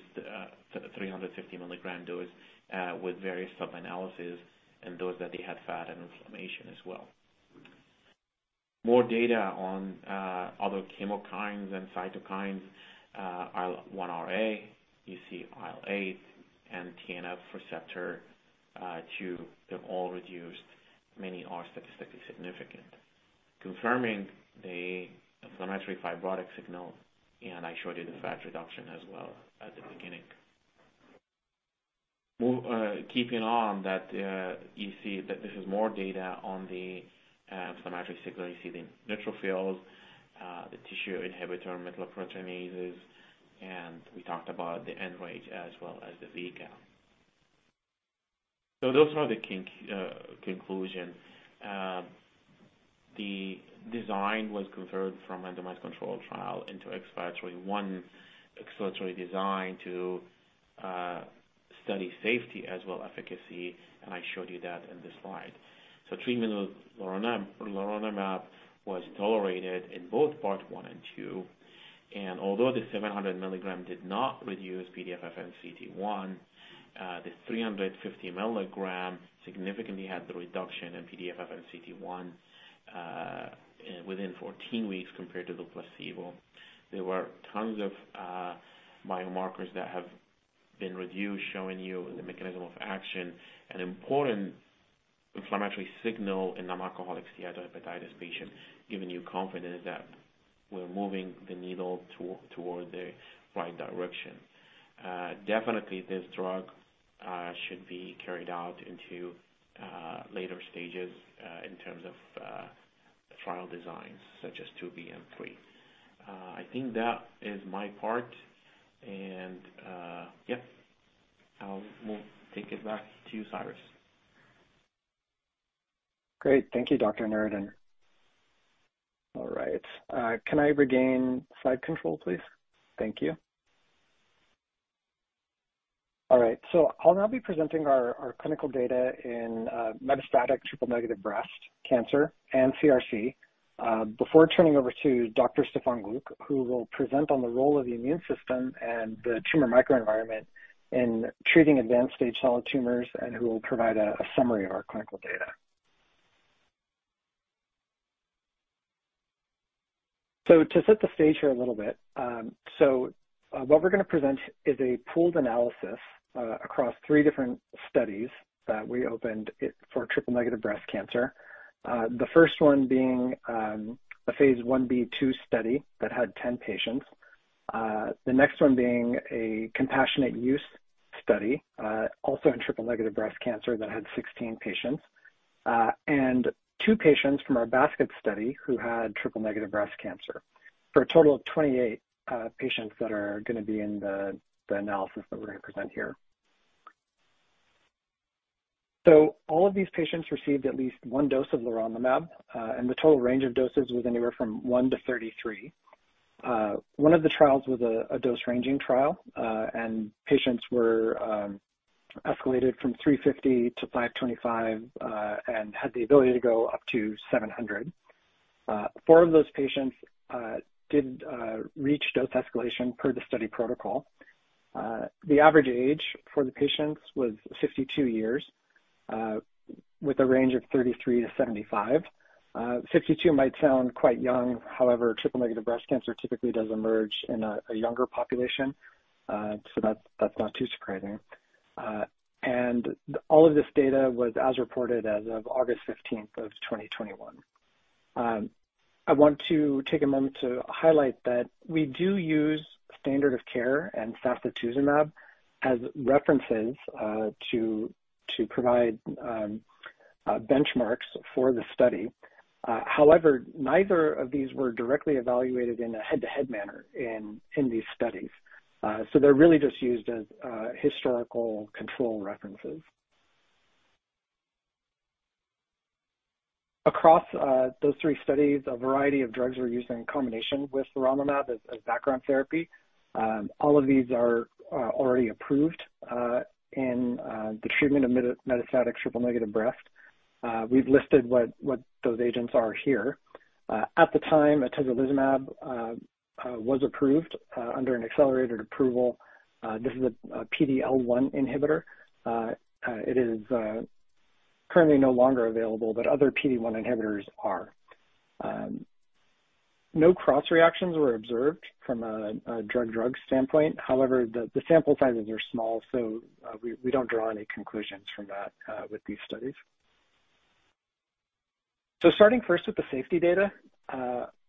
350 milligram dose with various sub-analysis in those that they had fat and inflammation as well. More data on other chemokines and cytokines, IL-1RA, you see IL-8 and TNF receptor 2, they've all reduced. Many are statistically significant, confirming the inflammatory fibrotic signal, and I showed you the fat reduction as well at the beginning. Keeping on that, you see that this is more data on the inflammatory signal. You see the neutrophils, the Tissue Inhibitors of Metalloproteinases, and we talked about the EN-RAGE as well as the VCAM. Those are the conclusions. The design was converted from a randomized controlled trial into exploratory design to study safety as well efficacy, and I showed you that in the slide. Treatment with leronlimab was tolerated in both parts 1 and 2, and although the 700 milligram did not reduce PDFF and cT1, the 350 milligram significantly had the reduction in PDFF and cT1 within 14 weeks compared to the placebo. There were tons of biomarkers that have been reviewed showing you the mechanism of action, an important inflammatory signal in alcoholic hepatitis patient, giving you confidence that we're moving the needle toward the right direction. Definitely this drug should be carried out into later stages in terms of trial designs such as 2B and 3. I think that is my part and yeah. We'll take it back to you, Cyrus. Great. Thank you, Dr. Noureddin. All right. Can I regain slide control, please? Thank you. All right, I'll now be presenting our clinical data in metastatic triple-negative breast cancer and CRC, before turning over to Dr. Stefan Glück, who will present on the role of the immune system and the tumor microenvironment in treating advanced stage solid tumors, and who will provide a summary of our clinical data. To set the stage here a little bit, what we're gonna present is a pooled analysis across three different studies that we opened it for triple-negative breast cancer. The first one being a Phase 1b/2 study that had 10 patients. The next one being a compassionate use study, also in triple-negative breast cancer that had 16 patients, and two patients from our basket study who had triple-negative breast cancer, for a total of 28 patients that are gonna be in the analysis that we're gonna present here. All of these patients received at least one dose of leronlimab, and the total range of doses was anywhere from 1-33. One of the trials was a dose-ranging trial, and patients were escalated from 350-525, and had the ability to go up to 700. Four of those patients did reach dose escalation per the study protocol. The average age for the patients was 52 years, with a range of 33-75. 52 might sound quite young, however, triple-negative breast cancer typically does emerge in a younger population, so that's not too surprising. All of this data was as reported as of August 15, 2021. I want to take a moment to highlight that we do use standard of care and sacituzumab as references to provide benchmarks for the study. However, neither of these were directly evaluated in a head-to-head manner in these studies. They're really just used as historical control references. Across those three studies, a variety of drugs were used in combination with leronlimab as background therapy. All of these are already approved in the treatment of metastatic triple-negative breast. We've listed what those agents are here. At the time atezolizumab was approved under an accelerated approval. This is a PD-L1 inhibitor. It is currently no longer available, but other PD-1 inhibitors are. No cross reactions were observed from a drug-drug standpoint. However, the sample sizes are small, we don't draw any conclusions from that with these studies. Starting first with the safety data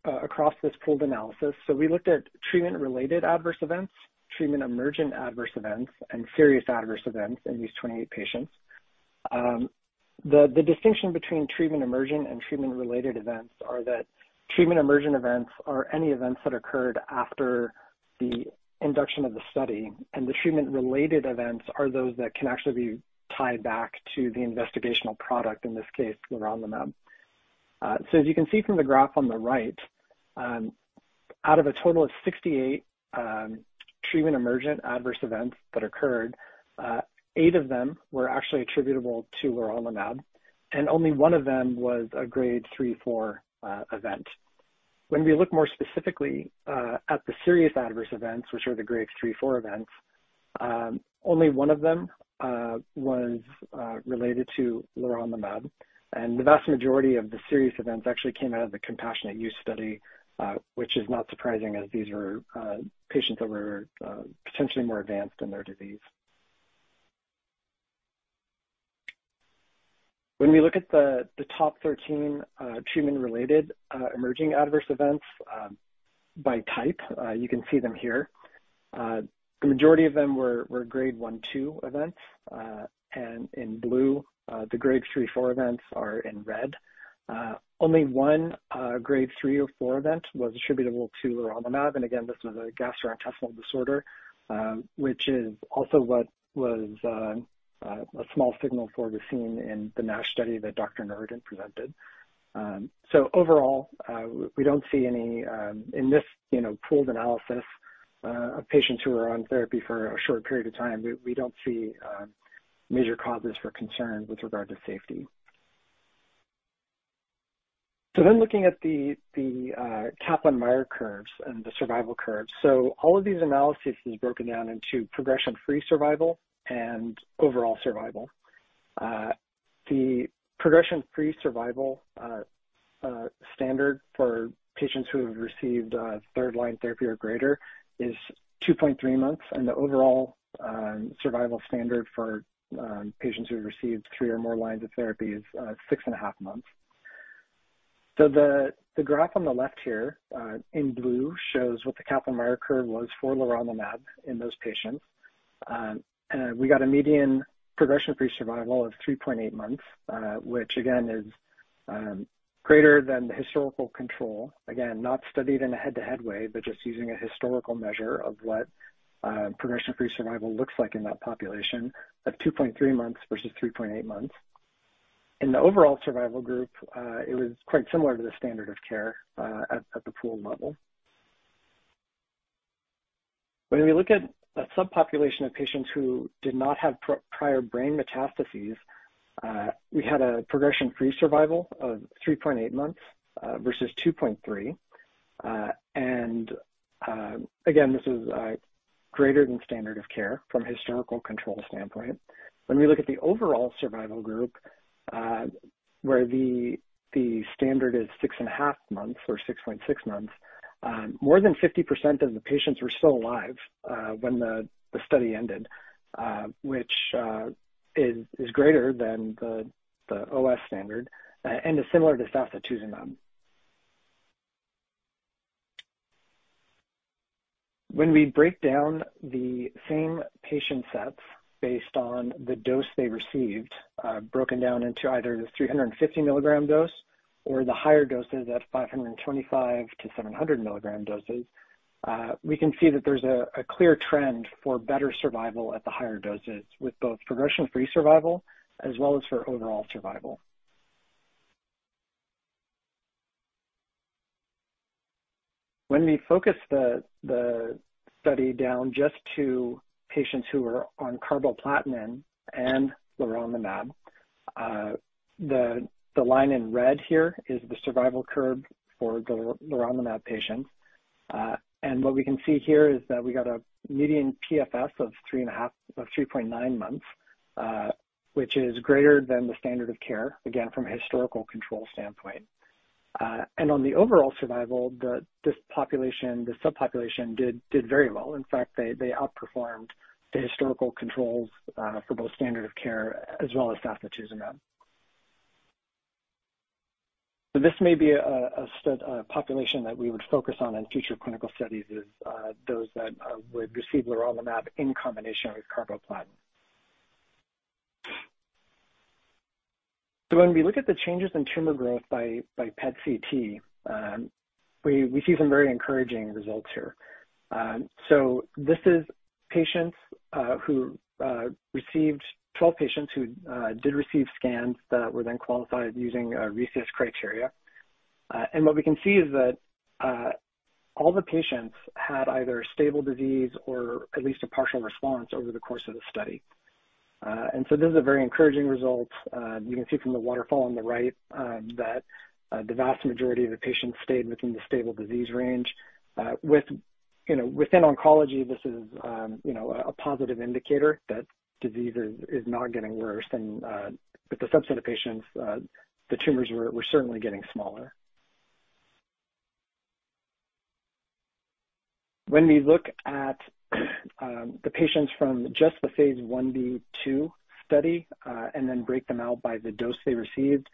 across this pooled analysis. We looked at treatment-related adverse events, treatment emergent adverse events, and serious adverse events in these 28 patients. The distinction between treatment emergent and treatment-related events are that treatment emergent events are any events that occurred after the induction of the study, and the treatment-related events are those that can actually be tied back to the investigational product, in this case, leronlimab. As you can see from the graph on the right, out of a total of 68 treatment emergent adverse events that occurred, eight of them were actually attributable to leronlimab, and only one of them was a grade 3-4 event. When we look more specifically at the serious adverse events, which are the grades 3-4 events, only 1 of them was related to leronlimab. The vast majority of the serious events actually came out of the compassionate use study, which is not surprising as these were patients that were potentially more advanced in their disease. When we look at the top 13 treatment-related emerging adverse events, by type, you can see them here. The majority of them were 1-2 events, and in blue, the 3-4 events are in red. Only one grade 3 or 4 event was attributable to leronlimab, and again, this was a gastrointestinal disorder. Which is also what was a small signal for we've seen in the NASH study that Dr. Noureddin presented. Overall, we don't see any, in this, you know, pooled analysis, of patients who are on therapy for a short period of time. We don't see major causes for concern with regard to safety. Looking at the Kaplan-Meier curves and the survival curves. All of these analyses is broken down into progression-free survival and overall survival. The progression-free survival standard for patients who have received third-line therapy or greater is 2.3 months, and the overall survival standard for patients who have received three or more lines of therapy is 6.5 months. The graph on the left here in blue shows what the Kaplan-Meier curve was for leronlimab in those patients. We got a median progression-free survival of 3.8 months, which again is greater than the historical control. Again, not studied in a head-to-head way, but just using a historical measure of what progression-free survival looks like in that population of 2.3 months versus 3.8 months. In the overall survival group, it was quite similar to the standard of care at the pool level. When we look at a subpopulation of patients who did not have prior brain metastases, we had a progression-free survival of 3.8 months versus 2.3. Again, this is greater than standard of care from historical control standpoint. When we look at the overall survival group, where the standard is 6.5 months or 6.6 months, more than 50% of the patients were still alive when the study ended, which is greater than the OS standard and is similar to sacituzumab. When we break down the same patient sets based on the dose they received, broken down into either the 350 milligram dose or the higher doses at 525-700 milligram doses, we can see that there's a clear trend for better survival at the higher doses with both progression-free survival as well as for overall survival. When we focus the study down just to patients who are on carboplatin and leronlimab, the line in red here is the survival curve for the leronlimab patients. What we can see here is that we got a median PFS of 3.9 months, which is greater than the standard of care, again, from a historical control standpoint. On the overall survival, the, this population, the subpopulation did very well. In fact, they outperformed the historical controls for both standard of care as well as sacituzumab. This may be a population that we would focus on in future clinical studies, is those that would receive leronlimab in combination with carboplatin. When we look at the changes in tumor growth by PET-CT, we see some very encouraging results here. This is 12 patients who did receive scans that were then qualified using RECIST criteria. What we can see is that all the patients had either stable disease or at least a partial response over the course of the study. This is a very encouraging result. You can see from the waterfall on the right that the vast majority of the patients stayed within the stable disease range. With, you know, within oncology, this is, you know, a positive indicator that disease is not getting worse. With the subset of patients, the tumors were certainly getting smaller. When we look at the patients from just the Phase 1b/2 study and then break them out by the dose they received,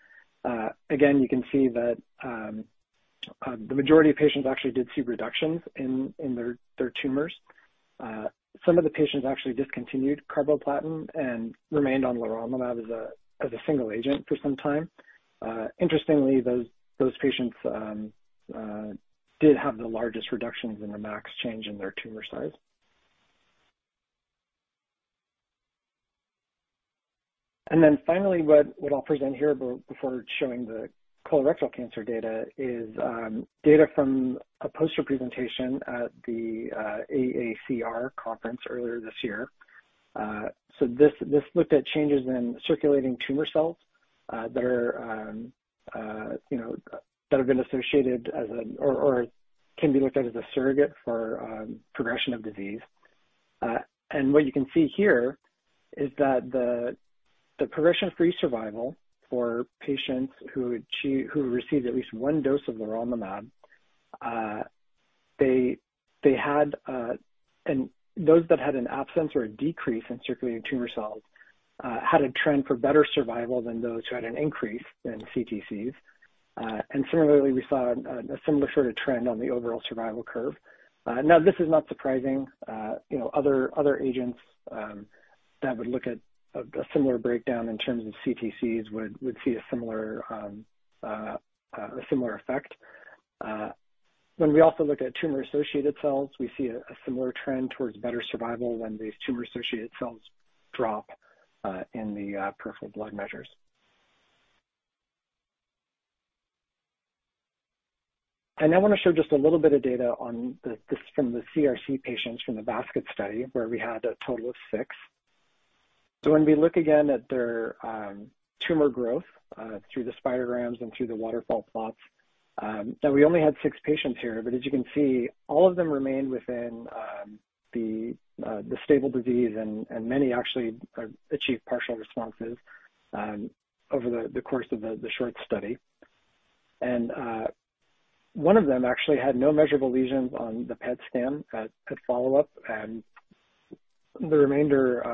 again, you can see that the majority of patients actually did see reductions in their tumors. Some of the patients actually discontinued carboplatin and remained on leronlimab as a single agent for some time. Interestingly, those patients did have the largest reductions in their max change in their tumor size. Finally, what I'll present here before showing the colorectal cancer data is data from a poster presentation at the AACR conference earlier this year. This looked at changes in circulating tumor cells that are, you know, that have been associated as or can be looked at as a surrogate for progression of disease. What you can see here is that the progression-free survival for patients who received at least one dose of leronlimab, they had and those that had an absence or a decrease in circulating tumor cells had a trend for better survival than those who had an increase in CTCs. Similarly, we saw a similar sort of trend on the overall survival curve. This is not surprising. You know, other agents that would look at a similar breakdown in terms of CTCs would see a similar effect. When we also look at tumor-associated cells, we see a similar trend towards better survival when these tumor-associated cells drop in the peripheral blood measures. I want to show just a little bit of data on this from the CRC patients from the basket study, where we had a total of six. When we look again at their tumor growth through the spider grams and through the waterfall plots, that we only had six patients here, but as you can see, all of them remained within the stable disease and many actually achieved partial responses over the course of the short study. One of them actually had no measurable lesions on the PET scan at follow-up, and the remainder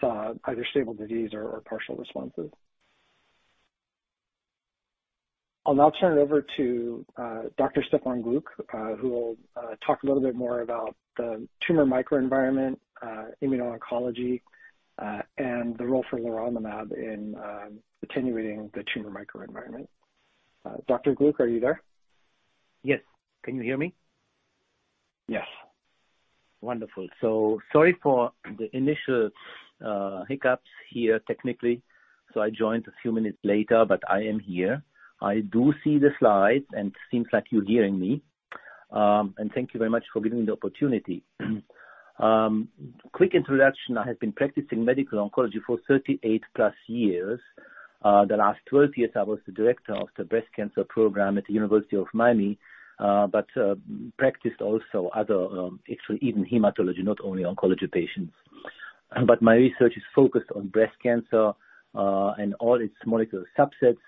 saw either stable disease or partial responses. I'll now turn it over to Dr. Stefan Glück, who will talk a little bit more about the tumor microenvironment, immuno-oncology, and the role for leronlimab in attenuating the tumor microenvironment. Dr. Glück, are you there? Yes. Can you hear me? Yes. Wonderful. Sorry for the initial hiccups here technically. I joined a few minutes later, but I am here. I do see the slides, and it seems like you're hearing me. Thank you very much for giving me the opportunity. Quick introduction. I have been practicing medical oncology for 38+ years. The last 12 years, I was the director of the breast cancer program at the University of Miami, but practiced also other, actually even hematology, not only oncology patients. My research is focused on breast cancer, and all its molecular subsets,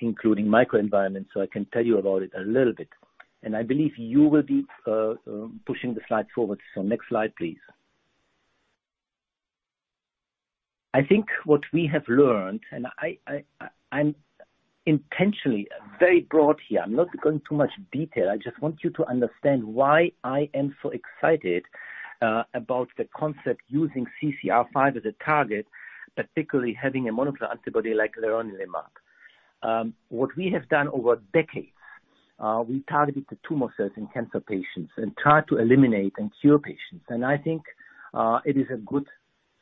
including microenvironments. I can tell you about it a little bit. I believe you will be pushing the slides forward. Next slide, please. I think what we have learned, and I'm intentionally very broad here. I'm not going too much detail. I just want you to understand why I am so excited about the concept using CCR5 as a target, particularly having a monoclonal antibody like leronlimab. What we have done over decades, we targeted the tumor cells in cancer patients and tried to eliminate and cure patients. I think it is a good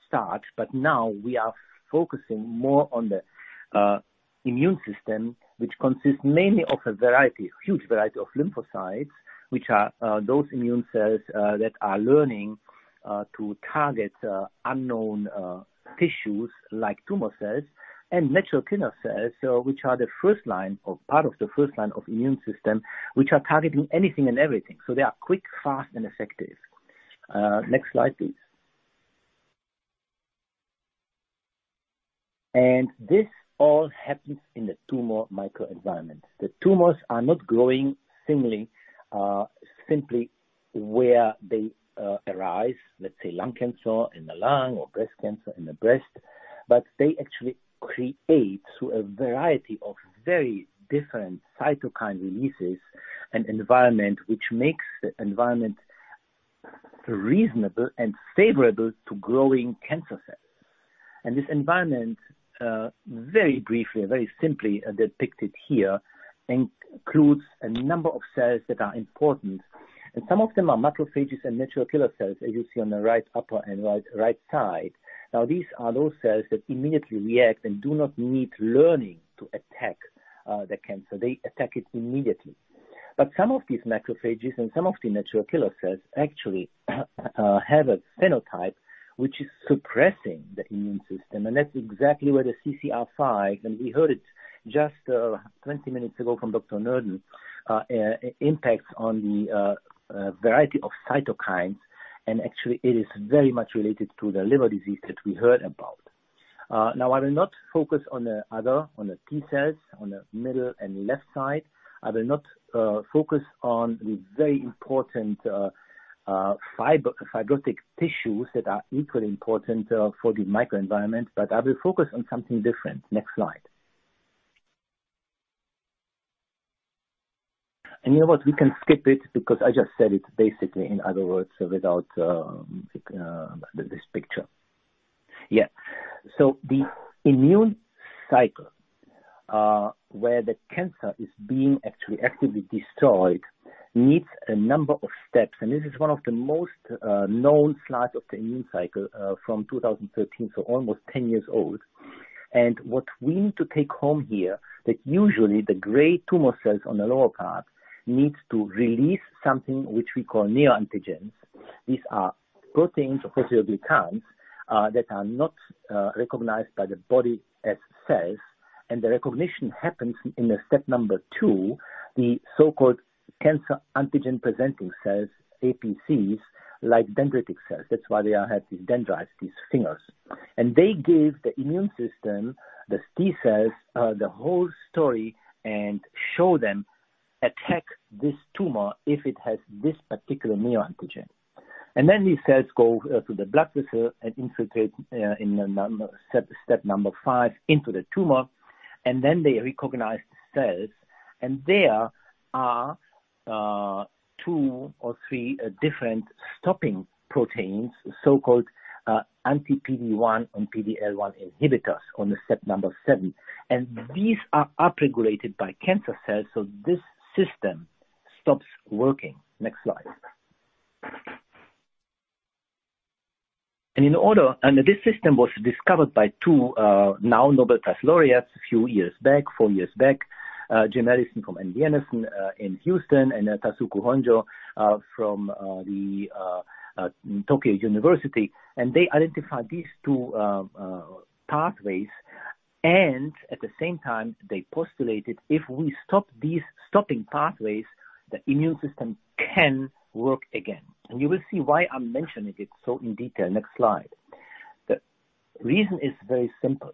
start, but now we are focusing more on the immune system, which consists mainly of a variety, huge variety of lymphocytes, which are those immune cells that are learning to target unknown tissues like tumor cells and Natural Killer cells, which are the first line or part of the first line of immune system, which are targeting anything and everything. They are quick, fast and effective. Next slide, please. This all happens in the tumor microenvironment. The tumors are not growing simply where they arise, let's say lung cancer in the lung or breast cancer in the breast, they actually create through a variety of very different cytokine releases, an environment which makes the environment reasonable and favorable to growing cancer cells. This environment, very briefly, very simply depicted here, includes a number of cells that are important, and some of them are macrophages and Natural Killer cells, as you see on the right upper and right side. These are those cells that immediately react and do not need learning to attack the cancer. They attack it immediately. Some of these macrophages and some of the Natural Killer cells actually have a phenotype which is suppressing the immune system. That's exactly where the CCR5, and we heard it just 20 minutes ago from Dr. Noureddin, impacts on the variety of cytokines. Actually it is very much related to the liver disease that we heard about. Now I will not focus on the other, on the T cells on the middle and left side. I will not focus on the very important fibrotic tissues that are equally important for the microenvironment, but I will focus on something different. Next slide. You know what? We can skip it because I just said it basically in other words without this picture. Yeah. The immune cycle, where the cancer is being actually actively destroyed, needs a number of steps. This is one of the most known slides of the immune cycle from 2013, so almost 10 years old. What we need to take home here is that usually the gray tumor cells on the lower part need to release something which we call neoantigens. These are proteins or polysaccharides that are not recognized by the body as cells. The recognition happens in step number 2, the so-called cancer Antigen-Presenting Cells, APCs, like dendritic cells. That's why they have these dendrites, these fingers. They give the immune system, the T cells, the whole story and show them, "Attack this tumor if it has this particular neoantigen." These cells go to the blood vessel and infiltrate in step number 5 into the tumor. They recognize the cells, and there are two or three different stopping proteins, so-called anti PD-1 and PD-L1 inhibitors on the step number 7. These are upregulated by cancer cells, so this system stops working. Next slide. This system was discovered by two now Nobel Prize laureates a few years back, four years back, James Allison from MD Anderson in Houston, and Tasuku Honjo from the University of Tokyo. They identified these two pathways, and at the same time, they postulated, if we stop these stopping pathways, the immune system can work again. You will see why I'm mentioning it so in detail. Next slide. The reason is very simple.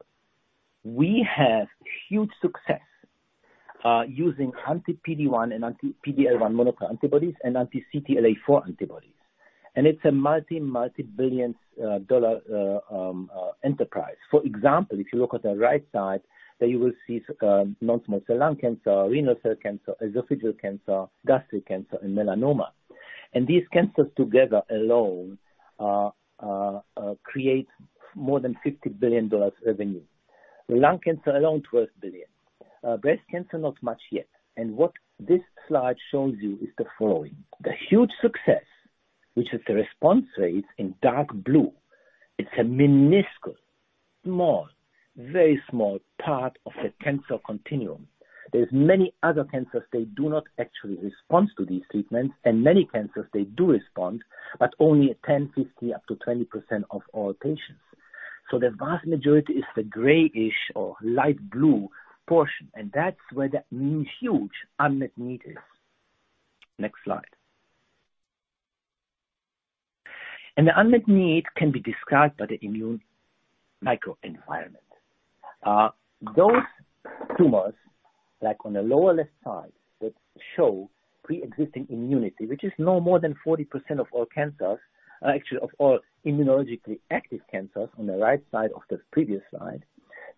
We have huge success using anti PD-1 and anti PD-L1 monoclonal antibodies and anti CTLA-4 antibodies. It's a multi-billion dollar enterprise. For example, if you look at the right side, there you will see non-small cell lung cancer, renal cell cancer, esophageal cancer, gastric cancer, and melanoma. These cancers together alone create more than $50 billion revenue. Lung cancer alone, $12 billion. Breast cancer, not much yet. What this slide shows you is the following. The huge success, which is the response rate in dark blue, it's a minuscule, small, very small part of the cancer continuum. There's many other cancers, they do not actually respond to these treatments, and many cancers they do respond, but only 10, 15, up to 20% of all patients. The vast majority is the grayish or light blue portion, and that's where that huge unmet need is. Next slide. The unmet need can be described by the immune microenvironment. Those tumors, like on the lower left side, that show preexisting immunity, which is no more than 40% of all cancers. Actually, of all immunologically active cancers on the right side of the previous slide,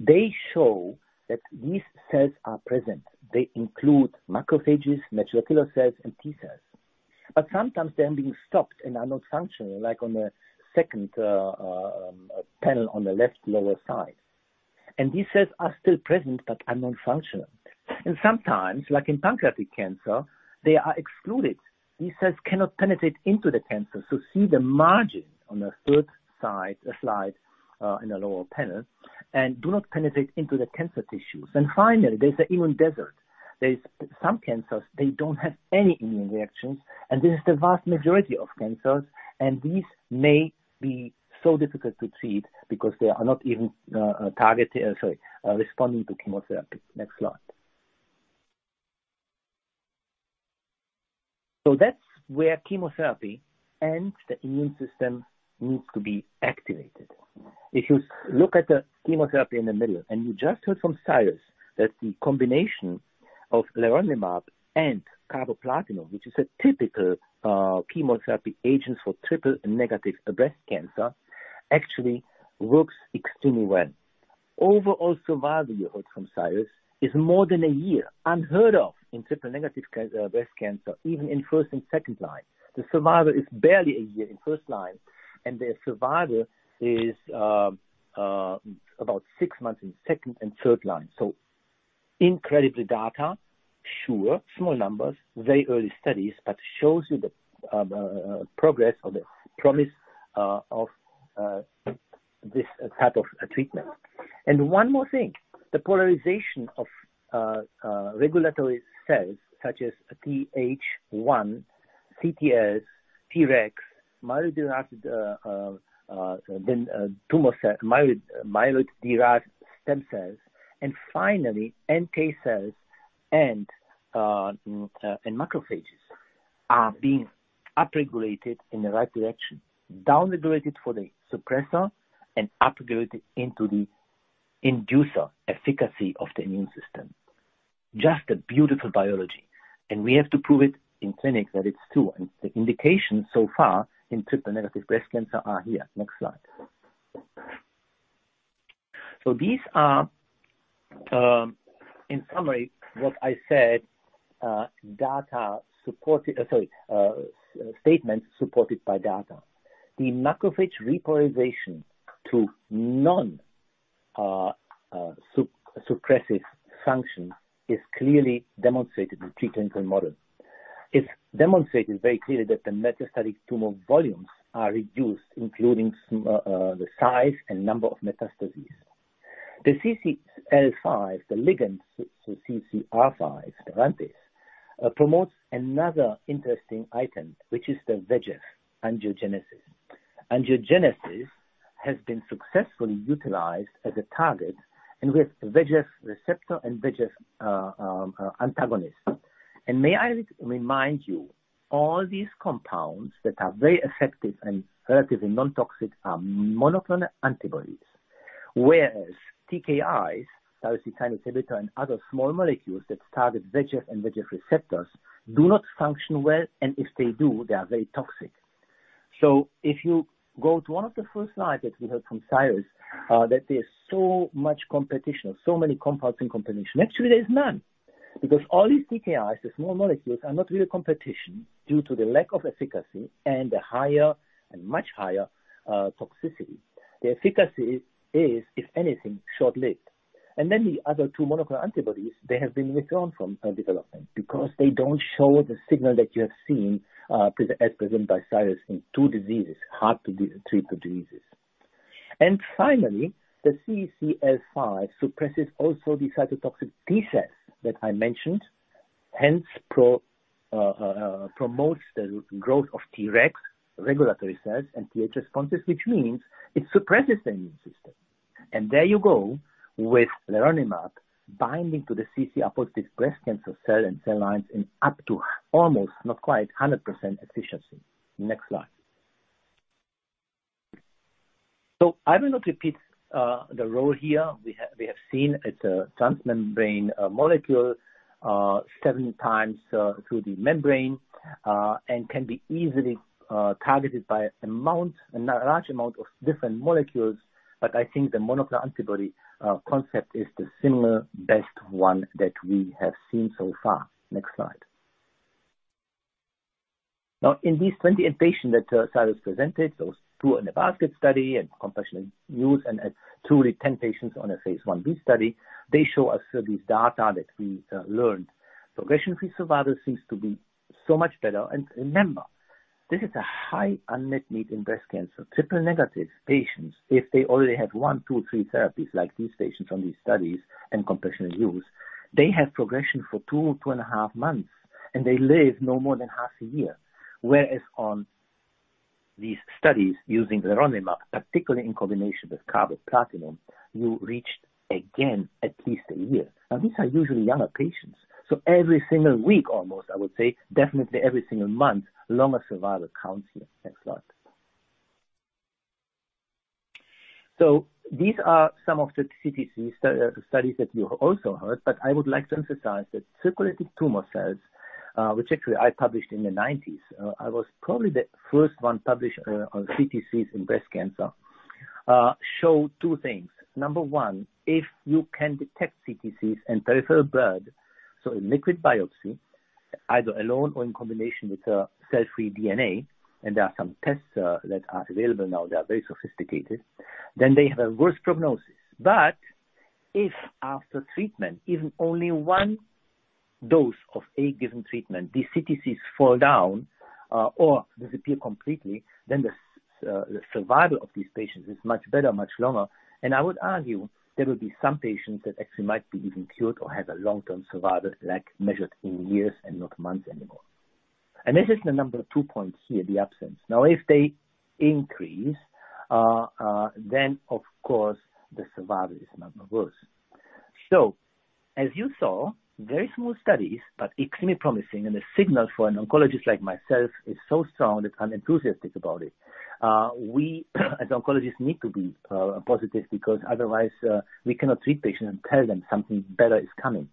they show that these cells are present. They include macrophages, mature killer cells and T cells. Sometimes they're being stopped and are not functioning, like on the second panel on the left lower side. These cells are still present but are non-functional. Sometimes, like in pancreatic cancer, they are excluded. These cells cannot penetrate into the cancer. See the margin on the third side, slide, in the lower panel, and do not penetrate into the cancer tissues. Finally, there's an immune desert. There's some cancers, they don't have any immune reactions, this is the vast majority of cancers, these may be so difficult to treat because they are not even responding to chemotherapy. Next slide. That's where chemotherapy and the immune system needs to be activated. If you look at the chemotherapy in the middle, you just heard from Cyrus that the combination of leronlimab and carboplatin, which is a typical chemotherapy agent for triple-negative breast cancer, actually works extremely well. Overall survival, you heard from Cyrus, is more than a year, unheard of in triple-negative breast cancer, even in 1st and 2nd line. The survival is barely a year in 1st line, the survival is about six months in 2nd and 3rd line. Incredibly data, sure, small numbers, very early studies, but shows you the progress or the promise of this type of treatment. One more thing, the polarization of regulatory cells such as Th1, CTLs, Tregs, myeloid-derived, then myeloid-derived stem cells, and finally, NK cells and macrophages are being upregulated in the right direction. Down-regulated for the suppressor and upregulated into the inducer efficacy of the immune system. Just a beautiful biology. We have to prove it in clinic that it's true. The indications so far in triple-negative breast cancer are here. Next slide. These are, in summary, what I said, data supported... Sorry, statements supported by data. The macrophage repolarization to non-suppressive function is clearly demonstrated in preclinical models. It's demonstrated very clearly that the metastatic tumor volumes are reduced, including the size and number of metastases. The CCL5, the ligand CCR5, the RANTES promotes another interesting item, which is the VEGF angiogenesis. Angiogenesis has been successfully utilized as a target, and with VEGF receptor and VEGF antagonist. May I remind you, all these compounds that are very effective and relatively non-toxic are monoclonal antibodies. Whereas TKIs, tyrosine kinase inhibitor, and other small molecules that target VEGF and VEGF receptors do not function well, and if they do, they are very toxic. If you go to one of the first slides that we heard from Cyrus, that there's so much competition, so many compounds in competition. Actually, there's none because all these TKIs, the small molecules, are not really competition due to the lack of efficacy and the higher and much higher toxicity. The efficacy is, if anything, short-lived. The other two monoclonal antibodies, they have been withdrawn from development because they don't show the signal that you have seen as presented by Cyrus in two diseases, hard to treat the diseases. Finally, the CCL5 suppresses also the cytotoxic T cells that I mentioned. Hence, promotes the growth of Treg, regulatory cells and Th responses, which means it suppresses the immune system. There you go with leronlimab binding to the CCR5 apoptotic breast cancer cell and cell lines in up to almost, not quite 100% efficiency. Next slide. I will not repeat the role here. We have seen it's a transmembrane molecule seven times through the membrane and can be easily targeted by amounts and a large amount of different molecules. I think the monoclonal antibody concept is the similar best one that we have seen so far. Next slide. In these 28 patients that Cyrus presented, those two in the basket study and compassionate use and truly 10 patients on a Phase 1b study, they show us these data that we learned. Progression-free survival seems to be so much better. Remember, this is a high unmet need in breast cancer. Triple-negative patients, if they already have 1, 2, 3 therapies like these patients from these studies and compassionate use, they have progression for two and a half months, and they live no more than half a year. Whereas on these studies using leronlimab, particularly in combination with carboplatin, you reached again at least a year. Now, these are usually younger patients, so every single week almost, I would say, definitely every single month, longer survival counts here. Next slide. These are some of the CTC studies that you also heard, but I would like to emphasize that circulating tumor cells, which actually I published in the 1990s, I was probably the first one published on CTCs in breast cancer, show two things. Number one, if you can detect CTCs in peripheral blood, so in liquid biopsy, either alone or in combination with cell-free DNA, and there are some tests that are available now that are very sophisticated, then they have a worse prognosis. If after treatment, even only one dose of a given treatment, the CTCs fall down, or disappear completely, then the survival of these patients is much better, much longer. I would argue there will be some patients that actually might be even cured or have a long-term survival like measured in years and not months anymore. This is the number 2 point here, the absence. Now if they increase, then of course the survival is not much worse. As you saw, very small studies, but extremely promising and a signal for an oncologist like myself is so strong that I'm enthusiastic about it. We as oncologists need to be positive because otherwise, we cannot treat patients and tell them something better is coming.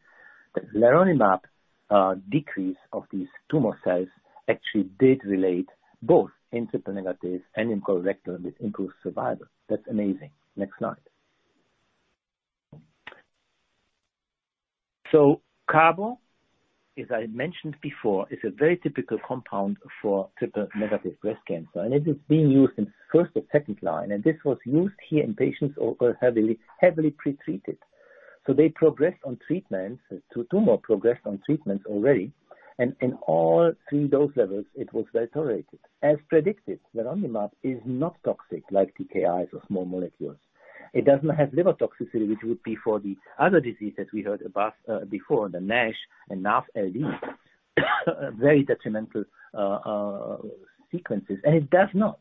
Leronlimab decrease of these tumor cells actually did relate both in triple-negatives and in colorectal, and this improves survival. That's amazing. Next slide. Carbo, as I mentioned before, is a very typical compound for triple-negative breast cancer, and it is being used in first or second line, and this was used here in patients or heavily pre-treated. They progressed on treatments, tumor progressed on treatments already, and in all three dose levels it was well tolerated. As predicted, leronlimab is not toxic like TKIs or small molecules. It does not have liver toxicity, which would be for the other diseases we heard about before, the NASH and NAFLD. Very detrimental sequences. It does not.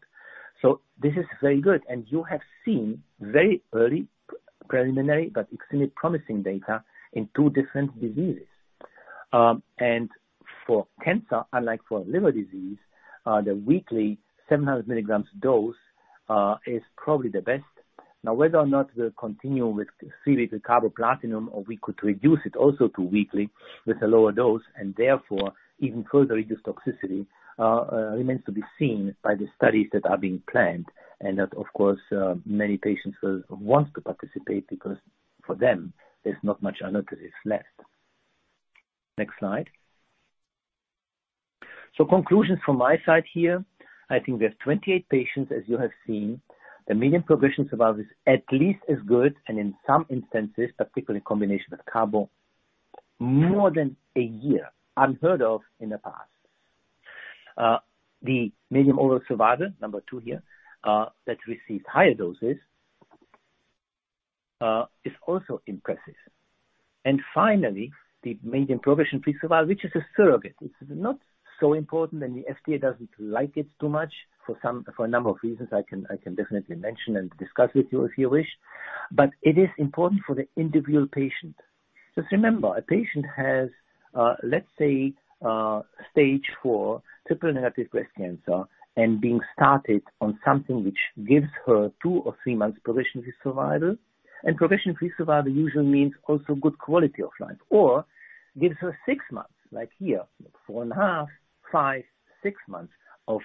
This is very good. You have seen very early preliminary but extremely promising data in two different diseases. For cancer, unlike for liver disease, the weekly 700 milligrams dose is probably the best. Now whether or not we'll continue with three-week carboplatin or we could reduce it also to weekly with a lower dose and therefore even further reduce toxicity remains to be seen by the studies that are being planned and that of course, many patients will want to participate because for them there's not much alternatives left. Next slide. Conclusions from my side here, I think we have 28 patients as you have seen. The median progression survival is at least as good and in some instances, particularly in combination with carbo, more than a year, unheard of in the past. The median overall survival, number 2 here, that received higher doses is also impressive. Finally, the median progression-free survival, which is a surrogate. This is not so important, and the FDA doesn't like it too much for some, for a number of reasons I can definitely mention and discuss with you if you wish. It is important for the individual patient. Just remember, a patient has, let's say, stage 4 triple-negative breast cancer and being started on something which gives her two or three months progression-free survival. Progression-free survival usually means also good quality of life or gives her six months, like here, four and a half, five, six months of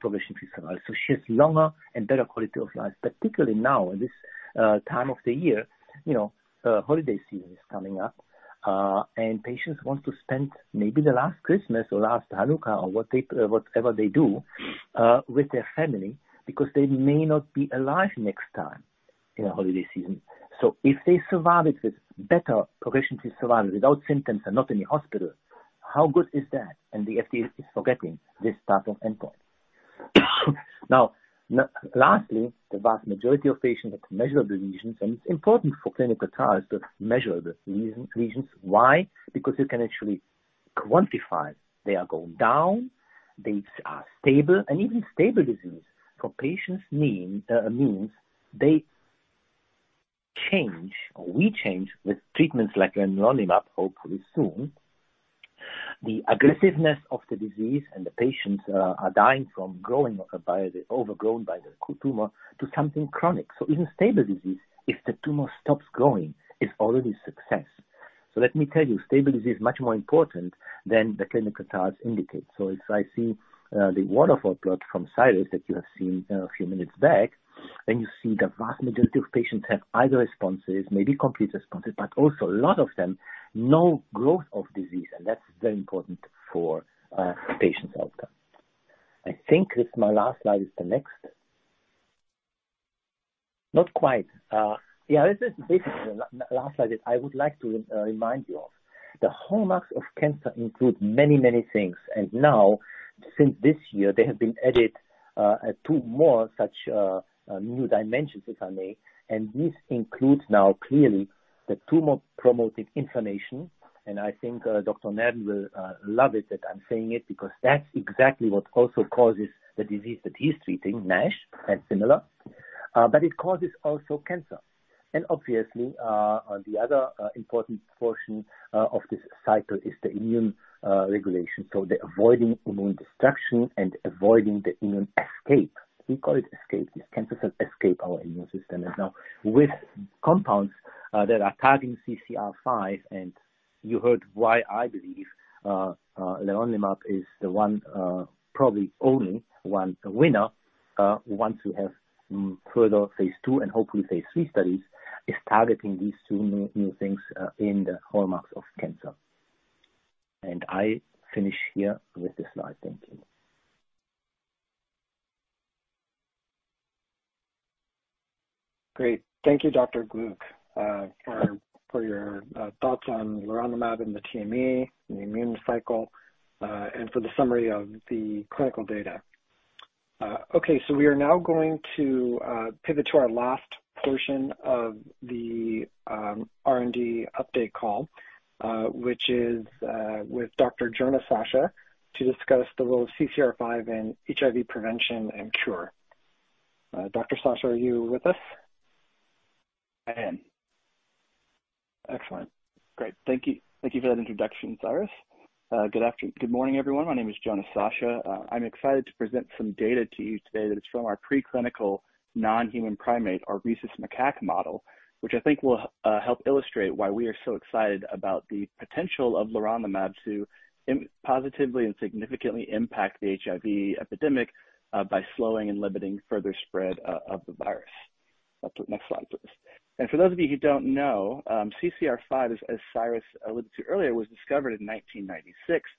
progression-free survival. She has longer and better quality of life, particularly now in this time of the year, you know, holiday season is coming up, and patients want to spend maybe the last Christmas or last Hanukkah or what they, whatever they do, with their family because they may not be alive next time in a holiday season. If they survive it with better progression-free survival without symptoms and not in the hospital, how good is that? The FDA is forgetting this type of endpoint. Lastly, the vast majority of patients have measurable lesions, and it is important for clinical trials to measure the lesions. Why? You can actually quantify. They are going down, they are stable, even stable disease for patients mean means they change or we change with treatments like leronlimab, hopefully soon, the aggressiveness of the disease and the patients are dying from growing of overgrown by the tumor to something chronic. Even stable disease, if the tumor stops growing, is already success. Let me tell you, stable disease is much more important than the clinical trials indicate. If I see the waterfall plot from Cyrus that you have seen a few minutes back, and you see the vast majority of patients have either responses, maybe complete responses, but also a lot of them, no growth of disease, and that's very important for patients' outcome. I think this my last slide is the next. Not quite. Yeah, this is basically the last slide that I would like to remind you of. The hallmarks of cancer include many, many things, and now since this year there have been added two more such new dimensions, if I may, and this includes now clearly the tumor-promoted inflammation. I think Dr. Noureddin will love it that I'm saying it because that's exactly what also causes the disease that he's treating, NASH and similar. But it causes also cancer. Obviously, the other important portion of this cycle is the immune regulation. The avoiding immune destruction and avoiding the immune escape. We call it escape. These cancer cells escape our immune system. Now with compounds, that are targeting CCR5, and you heard why I believe, leronlimab is the one, probably only one winner, once you have, further Phase 2 and hopefully Phase 3 studies, is targeting these two new things, in the hallmarks of cancer. I finish here with this slide. Thank you. Great. Thank you, Dr. Stefan Glück, for your thoughts on leronlimab and the TME and the immune cycle, and for the summary of the clinical data. Okay, we are now going to pivot to our last portion of the R&D update call, which is with Dr. Jonah Sacha to discuss the role of CCR5 in HIV prevention and cure. Dr. Sacha, are you with us? I am. Excellent. Great. Thank you. Thank you for that introduction, Cyrus. Good morning, everyone. My name is Jonah Sacha. I'm excited to present some data to you today that is from our preclinical non-human primate, our rhesus macaque model, which I think will help illustrate why we are so excited about the potential of leronlimab to positively and significantly impact the HIV epidemic by slowing and limiting further spread of the virus. Next slide, please. For those of you who don't know, CCR5, as Cyrus alluded to earlier, was discovered in 1996.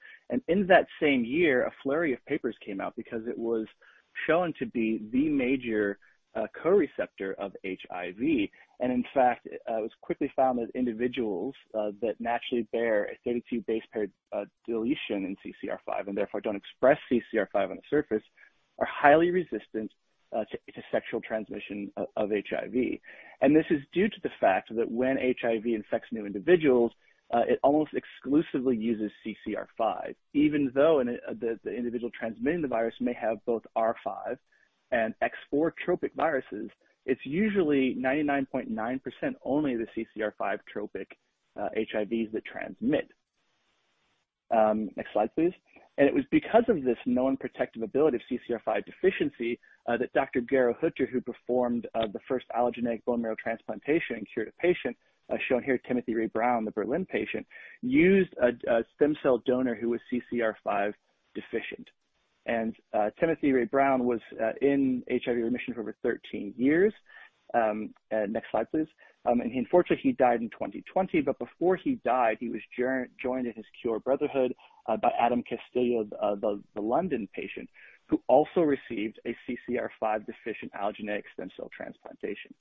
In that same year, a flurry of papers came out because it was shown to be the major co-receptor of HIV. In fact, it was quickly found that individuals that naturally bear a 32 base pair deletion in CCR5, and therefore don't express CCR5 on the surface, are highly resistant to sexual transmission of HIV. This is due to the fact that when HIV infects new individuals, it almost exclusively uses CCR5. Even though in a, the individual transmitting the virus may have both R5 and X4 tropic viruses, it's usually 99.9% only the CCR5 tropic HIVs that transmit. Next slide, please. It was because of this known protective ability of CCR5 deficiency that Dr. Gero Hütter who performed the first allogeneic bone marrow transplantation and cured a patient, shown here, Timothy Ray Brown, the Berlin patient, used a stem cell donor who was CCR5 deficient. Timothy Ray Brown was in HIV remission for over 13 years. Next slide, please. Unfortunately, he died in 2020, but before he died, he was joined in his cure brotherhood by Adam Castillejo, the London Patient, who also received a CCR5 deficient allogeneic stem cell transplantation.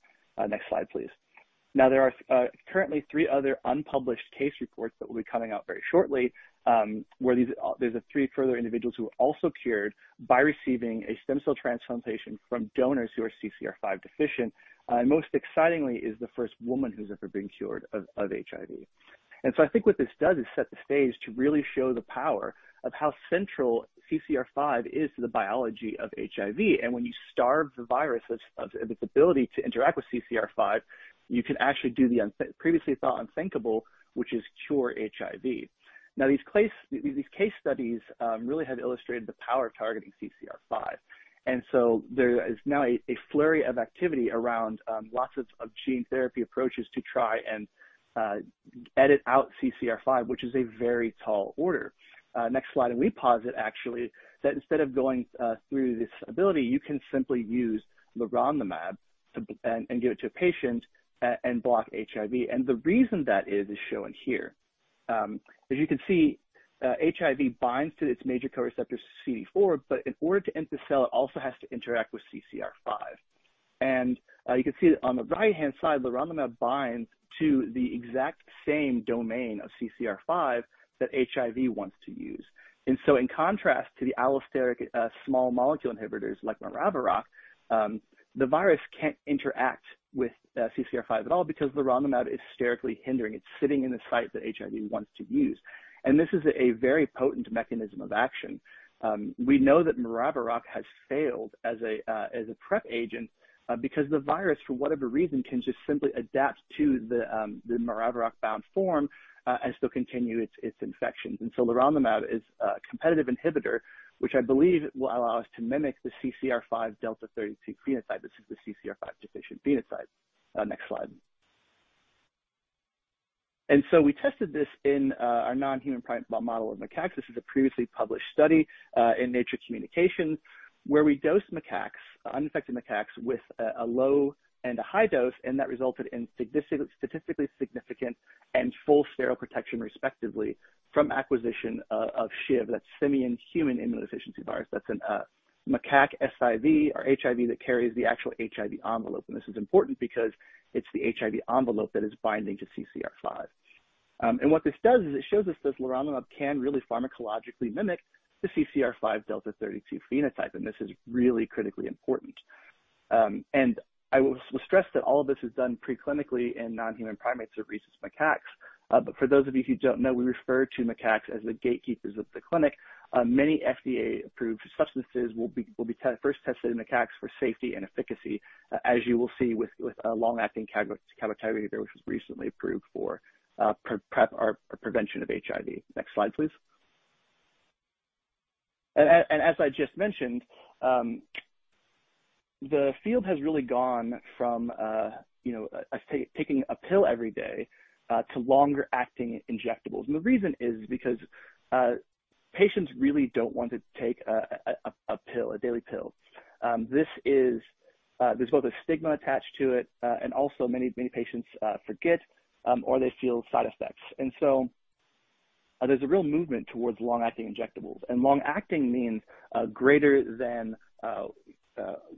Next slide, please. There are currently three other unpublished case reports that will be coming out very shortly, where these there's three further individuals who were also cured by receiving a stem cell transplantation from donors who are CCR5 deficient. Most excitingly is the first woman who's ever been cured of HIV. I think what this does is set the stage to really show the power of how central CCR5 is to the biology of HIV. When you starve the virus of its ability to interact with CCR5, you can actually do the previously thought unthinkable, which is cure HIV. Now these case studies really have illustrated the power of targeting CCR5. There is now a flurry of activity around lots of gene therapy approaches to try and edit out CCR5, which is a very tall order. Next slide. We posit actually that instead of going through this ability, you can simply use leronlimab to and give it to a patient and block HIV. The reason that is shown here. As you can see, HIV binds to its major co-receptor CD4, but in order to enter the cell, it also has to interact with CCR5. You can see that on the right-hand side, leronlimab binds to the exact same domain of CCR5 that HIV wants to use. In contrast to the allosteric small molecule inhibitors like Maraviroc, the virus can't interact with CCR5 at all because leronlimab is sterically hindering. It's sitting in the site that HIV wants to use. This is a very potent mechanism of action. We know that Maraviroc has failed as a PrEP agent because the virus, for whatever reason, can just simply adapt to the Maraviroc bound form and still continue its infection. Leronlimab is a competitive inhibitor, which I believe will allow us to mimic the CCR5-Δ32 phenotype. This is the CCR5 deficient phenotype. Next slide. We tested this in our non-human primate model of macaques. This is a previously published study in Nature Communications, where we dosed macaques, uninfected macaques with a low and a high dose, and that resulted in statistically significant and full sterile protection respectively from acquisition of SHIV. That's Simian-Human Immunodeficiency Virus. That's an macaque SIV or HIV that carries the actual HIV envelope. This is important because it's the HIV envelope that is binding to CCR5. What this does is it shows us this leronlimab can really pharmacologically mimic the CCR5-Δ32 phenotype. This is really critically important. I will stress that all of this is done pre-clinically in non-human primates or rhesus macaques. For those of you who don't know, we refer to macaques as the gatekeepers of the clinic. Many FDA-approved substances will be first tested in macaques for safety and efficacy, as you will see with long-acting cabotegravir, which was recently approved for PrEP or prevention of HIV. Next slide, please. As I just mentioned, the field has really gone from, you know, taking a pill every day to longer acting injectables. The reason is because patients really don't want to take a pill, a daily pill. This is, there's both a stigma attached to it, and also many, many patients forget or they feel side effects. There's a real movement towards long-acting injectables. Long-acting means greater than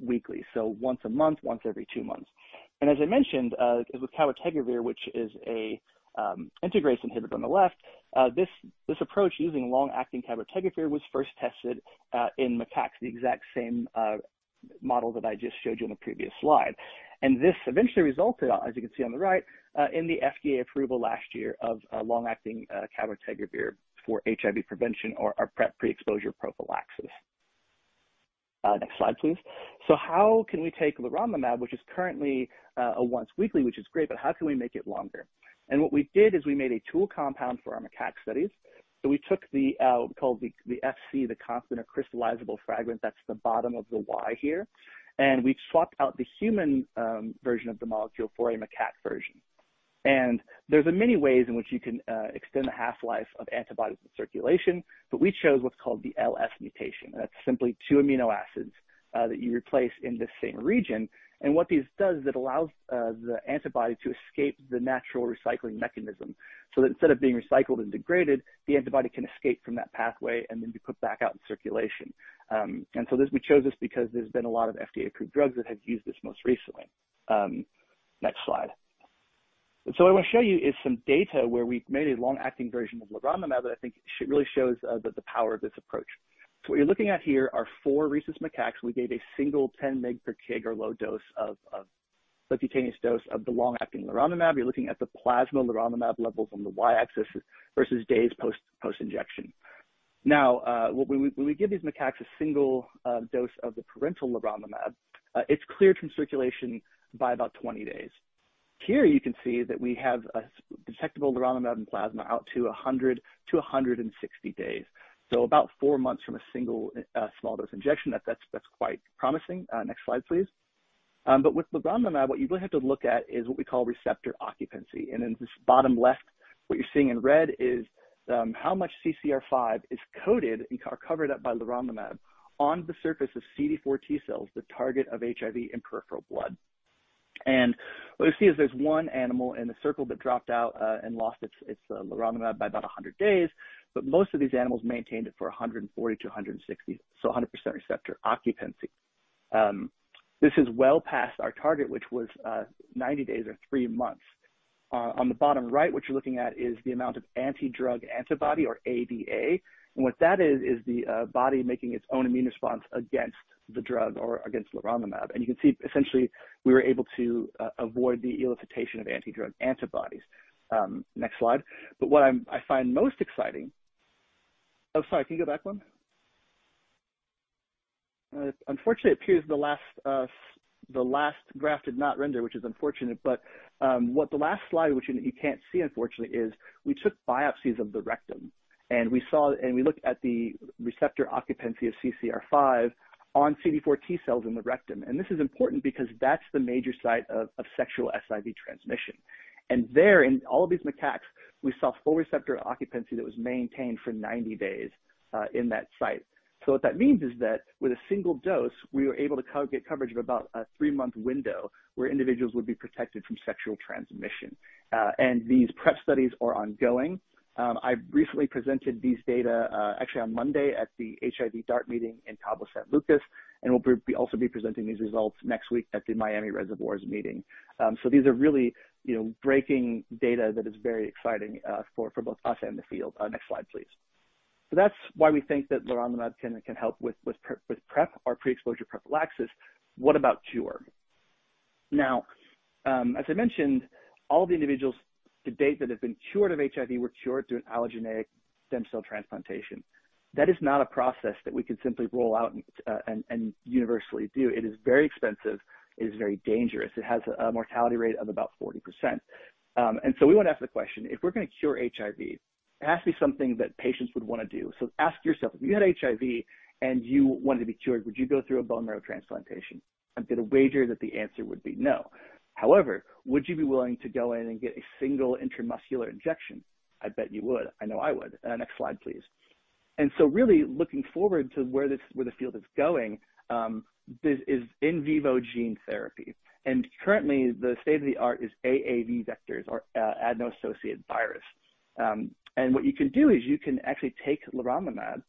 weekly, so once a month, once every two months. As I mentioned, with cabotegravir, which is an integrase inhibitor on the left, this approach using long-acting cabotegravir was first tested in macaques, the exact same model that I just showed you in the previous slide. This eventually resulted, as you can see on the right, in the FDA approval last year of a long-acting cabotegravir for HIV prevention or PrEP, pre-exposure prophylaxis. Next slide, please. How can we take leronlimab, which is currently a once weekly, which is great, but how can we make it longer? What we did is we made a tool compound for our macaque studies. We took the, we call the Fc, the constant of crystallizable fragment. That's the bottom of the Y here. We swapped out the human version of the molecule for a macaque version. There's many ways in which you can extend the half-life of antibodies in circulation, but we chose what's called the LS mutation. That's simply two amino acids that you replace in this same region. What this does is it allows the antibody to escape the natural recycling mechanism, so that instead of being recycled and degraded, the antibody can escape from that pathway and then be put back out in circulation. We chose this because there's been a lot of FDA-approved drugs that have used this most recently. Next slide. What I want to show you is some data where we've made a long-acting version of leronlimab that I think really shows the power of this approach. What you're looking at here are four rhesus macaques. We gave a single 10 mg per kg or low dose of subcutaneous dose of the long-acting leronlimab. You're looking at the plasma leronlimab levels on the Y-axis versus days post-injection. When we give these macaques a single dose of the parental leronlimab, it's cleared from circulation by about 20 days. Here you can see that we have a detectable leronlimab in plasma out to 100-160 days. About four months from a single small dose injection. That's quite promising. Next slide, please. With leronlimab, what you really have to look at is what we call receptor occupancy. In this bottom left, what you're seeing in red is how much CCR5 is coated and are covered up by leronlimab on the surface of CD4 T cells, the target of HIV in peripheral blood. What you see is there's one animal in the circle that dropped out and lost its leronlimab by about 100 days. Most of these animals maintained it for 140-160 days. 100% receptor occupancy. This is well past our target, which was 90 days or three months. On the bottom right, what you're looking at is the amount of Anti-Drug Antibody or ADA. What that is the body making its own immune response against the drug or against leronlimab. You can see essentially we were able to avoid the elicitation of anti-drug antibodies. Next slide. What I find most exciting... Oh, sorry. Can you go back one? Unfortunately, it appears the last graph did not render, which is unfortunate. What the last slide, which, you know, you can't see unfortunately is we took biopsies of the rectum, and we looked at the receptor occupancy of CCR5 on CD4 T cells in the rectum. This is important because that's the major site of sexual SIV transmission. There, in all of these macaques, we saw full receptor occupancy that was maintained for 90 days in that site. What that means is that with a single dose, we were able to get coverage of about a three-month window where individuals would be protected from sexual transmission. These PrEP studies are ongoing. I've recently presented these data, actually on Monday at the HIV DART meeting in Cabo San Lucas, and we'll also be presenting these results next week at the Miami Reservoirs meeting. These are really, you know, breaking data that is very exciting, for both us and the field. Next slide, please. That's why we think that leronlimab can help with PrEP or pre-exposure prophylaxis. What about cure? As I mentioned, all the individuals to date that have been cured of HIV were cured through an allogeneic stem cell transplantation. That is not a process that we can simply roll out and universally do. It is very expensive. It is very dangerous. It has a mortality rate of about 40%. We wanna ask the question, if we're gonna cure HIV, it has to be something that patients would wanna do. Ask yourself, if you had HIV and you wanted to be cured, would you go through a bone marrow transplantation? I'm gonna wager that the answer would be no. However, would you be willing to go in and get a single intramuscular injection? I bet you would. I know I would. Next slide, please. Really looking forward to where the field is going, this is in vivo gene therapy. Currently the state-of-the-art is AAV vectors or Adeno-Associated Virus. And what you can do is you can actually take leronlimab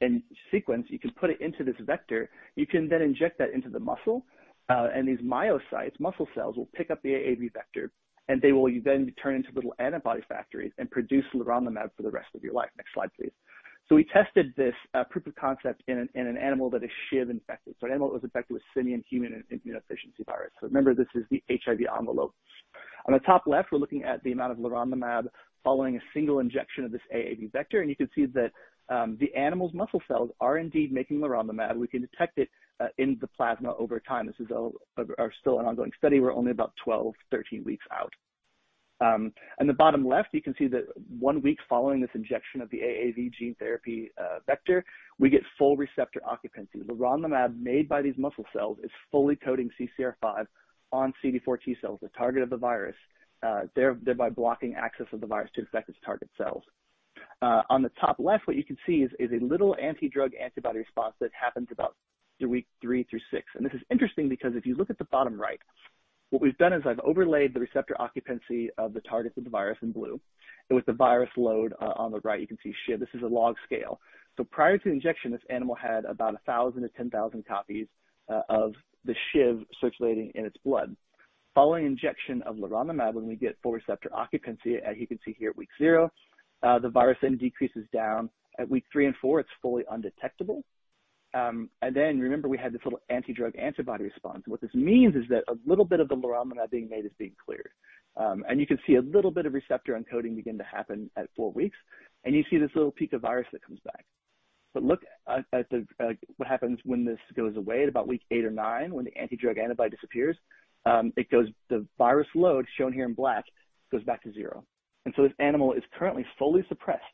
and sequence, you can put it into this vector. You can then inject that into the muscle, and these myocytes muscle cells will pick up the AAV vector, and they will then turn into little antibody factories and produce leronlimab for the rest of your life. Next slide, please. We tested this proof of concept in an animal that is SHIV infected, an animal that was infected with simian human immunodeficiency virus. Remember, this is the HIV envelope. On the top left, we're looking at the amount of leronlimab following a single injection of this AAV vector. You can see that the animal's muscle cells are indeed making leronlimab. We can detect it in the plasma over time. This is still an ongoing study. We're only about 12, 13 weeks out. On the bottom left, you can see that one week following this injection of the AAV gene therapy vector, we get full receptor occupancy. Leronlimab made by these muscle cells is fully coating CCR5 on CD4 T cells, the target of the virus, thereby blocking access of the virus to infect its target cells. On the top left, what you can see is a little anti-drug antibody response that happens about the week 3-6. This is interesting because if you look at the bottom right, what we've done is I've overlaid the receptor occupancy of the targets of the virus in blue. With the virus load, on the right, you can see SHIV. This is a log scale. Prior to the injection, this animal had about 1,000-10,000 copies of the SHIV circulating in its blood. Following injection of leronlimab, when we get full receptor occupancy, as you can see here at week 0, the virus then decreases down. At week 3 and 4, it's fully undetectable. Remember, we had this little anti-drug antibody response. What this means is that a little bit of the leronlimab being made is being cleared. You can see a little bit of receptor uncoating begin to happen at four weeks, and you see this little peak of virus that comes back. Look at what happens when this goes away at about week 8 or 9 when the anti-drug antibody disappears. The virus load shown here in black goes back to 0. This animal is currently fully suppressed.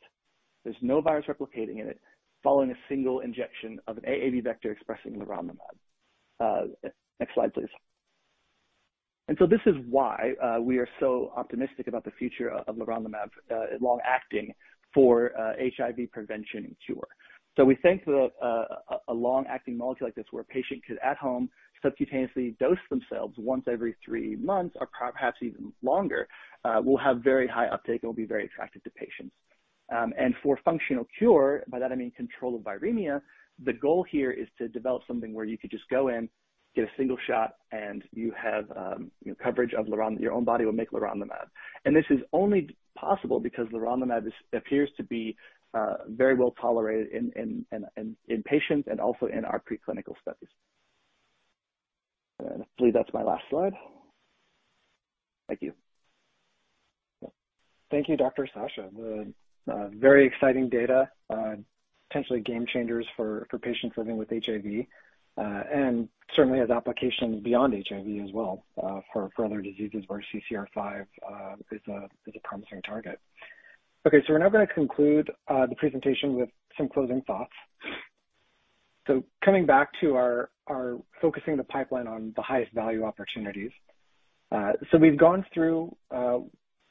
There's no virus replicating in it following a single injection of an AAV vector expressing leronlimab. Next slide, please. This is why we are so optimistic about the future of leronlimab long-acting for HIV prevention and cure. We think the a long-acting molecule like this where a patient could at home subcutaneously dose themselves once every three months or perhaps even longer will have very high uptake and will be very attractive to patients. For functional cure, by that I mean control of viremia, the goal here is to develop something where you could just go in, get a single shot, and you have, you know, your own body will make leronlimab. This is only possible because leronlimab appears to be very well tolerated in patients and also in our preclinical studies. I believe that's my last slide. Thank you. Thank you, Dr. Jonah Sacha. Very exciting data, potentially game changers for patients living with HIV, and certainly has applications beyond HIV as well, for other diseases where CCR5 is a promising target. We're now gonna conclude the presentation with some closing thoughts. Coming back to our focusing the pipeline on the highest value opportunities. We've gone through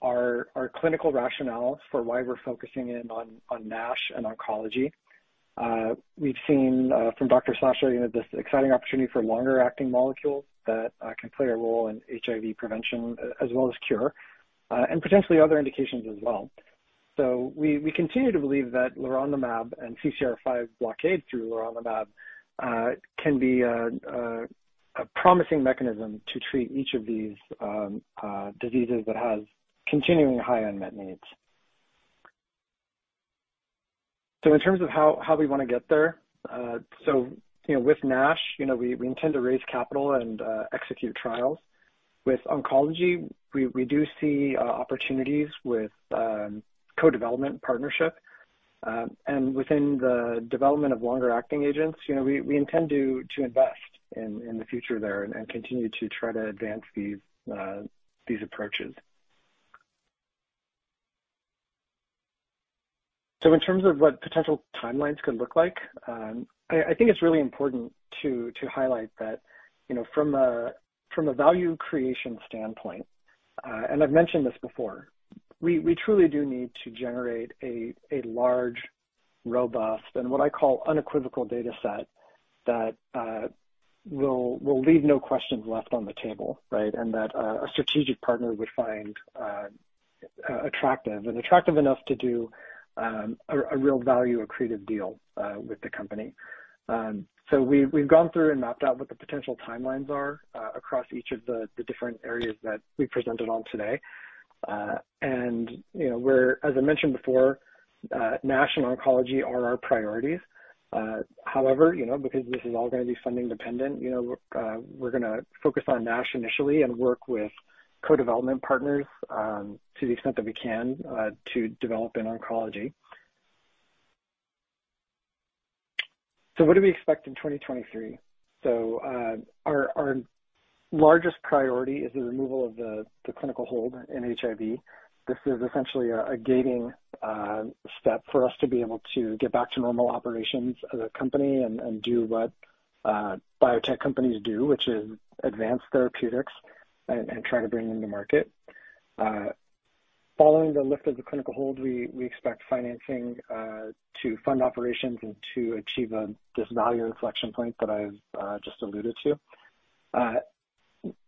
our clinical rationale for why we're focusing in on NASH and oncology. We've seen from Dr. Sasha, you know, this exciting opportunity for longer-acting molecules that can play a role in HIV prevention as well as cure, and potentially other indications as well. We continue to believe that leronlimab and CCR5 blockade through leronlimab can be a promising mechanism to treat each of these diseases that has continuing high unmet needs. In terms of how we wanna get there. You know, with NASH, you know, we intend to raise capital and execute trials. With oncology, we do see opportunities with co-development partnership. Within the development of longer acting agents, you know, we intend to invest in the future there and continue to try to advance these approaches. In terms of what potential timelines could look like, I think it's really important to highlight that, you know, from a value creation standpoint, I've mentioned this before, we truly do need to generate a large, robust, and what I call unequivocal data set that will leave no questions left on the table, right? That a strategic partner would find attractive and attractive enough to do a real value accretive deal with the company. We've gone through and mapped out what the potential timelines are across each of the different areas that we presented on today. You know, as I mentioned before, NASH and oncology are our priorities. However, you know, because this is all gonna be funding dependent, you know, we're gonna focus on NASH initially and work with co-development partners to the extent that we can to develop in oncology. What do we expect in 2023? Our largest priority is the removal of the clinical hold in HIV. This is essentially a gating step for us to be able to get back to normal operations as a company and do what biotech companies do, which is advance therapeutics and try to bring them to market. Following the lift of the clinical hold, we expect financing to fund operations and to achieve this value inflection point that I've just alluded to.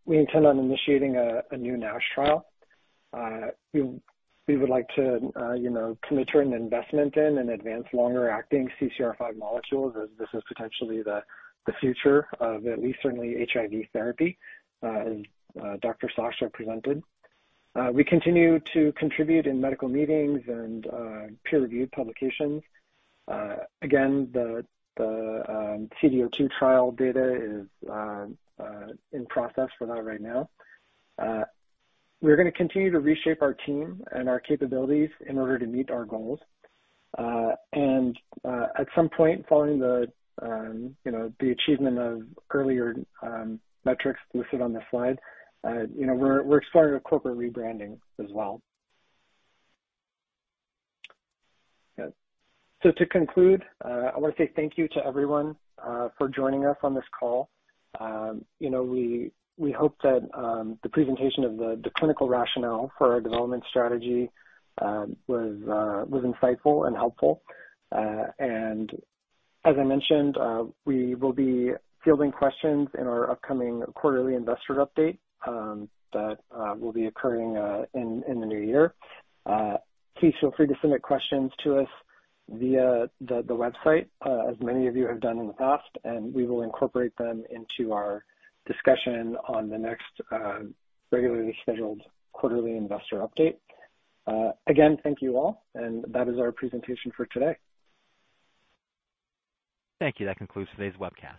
We intend on initiating a new NASH trial. We would like to, you know, commit to an investment in and advance longer acting CCR5 molecules as this is potentially the future of at least certainly HIV therapy, as Dr. Sacha presented. We continue to contribute in medical meetings and peer-reviewed publications. Again, the CD02 trial data is in process for that right now. We're gonna continue to reshape our team and our capabilities in order to meet our goals. At some point following the, you know, the achievement of earlier metrics listed on this slide, you know, we're exploring a corporate rebranding as well. To conclude, I wanna say thank you to everyone for joining us on this call. You know, we hope that the presentation of the clinical rationale for our development strategy was insightful and helpful. As I mentioned, we will be fielding questions in our upcoming quarterly investor update that will be occurring in the new year. Please feel free to submit questions to us via the website, as many of you have done in the past, and we will incorporate them into our discussion on the next regularly scheduled quarterly investor update. Again, thank you all, and that is our presentation for today. Thank you. That concludes today's webcast.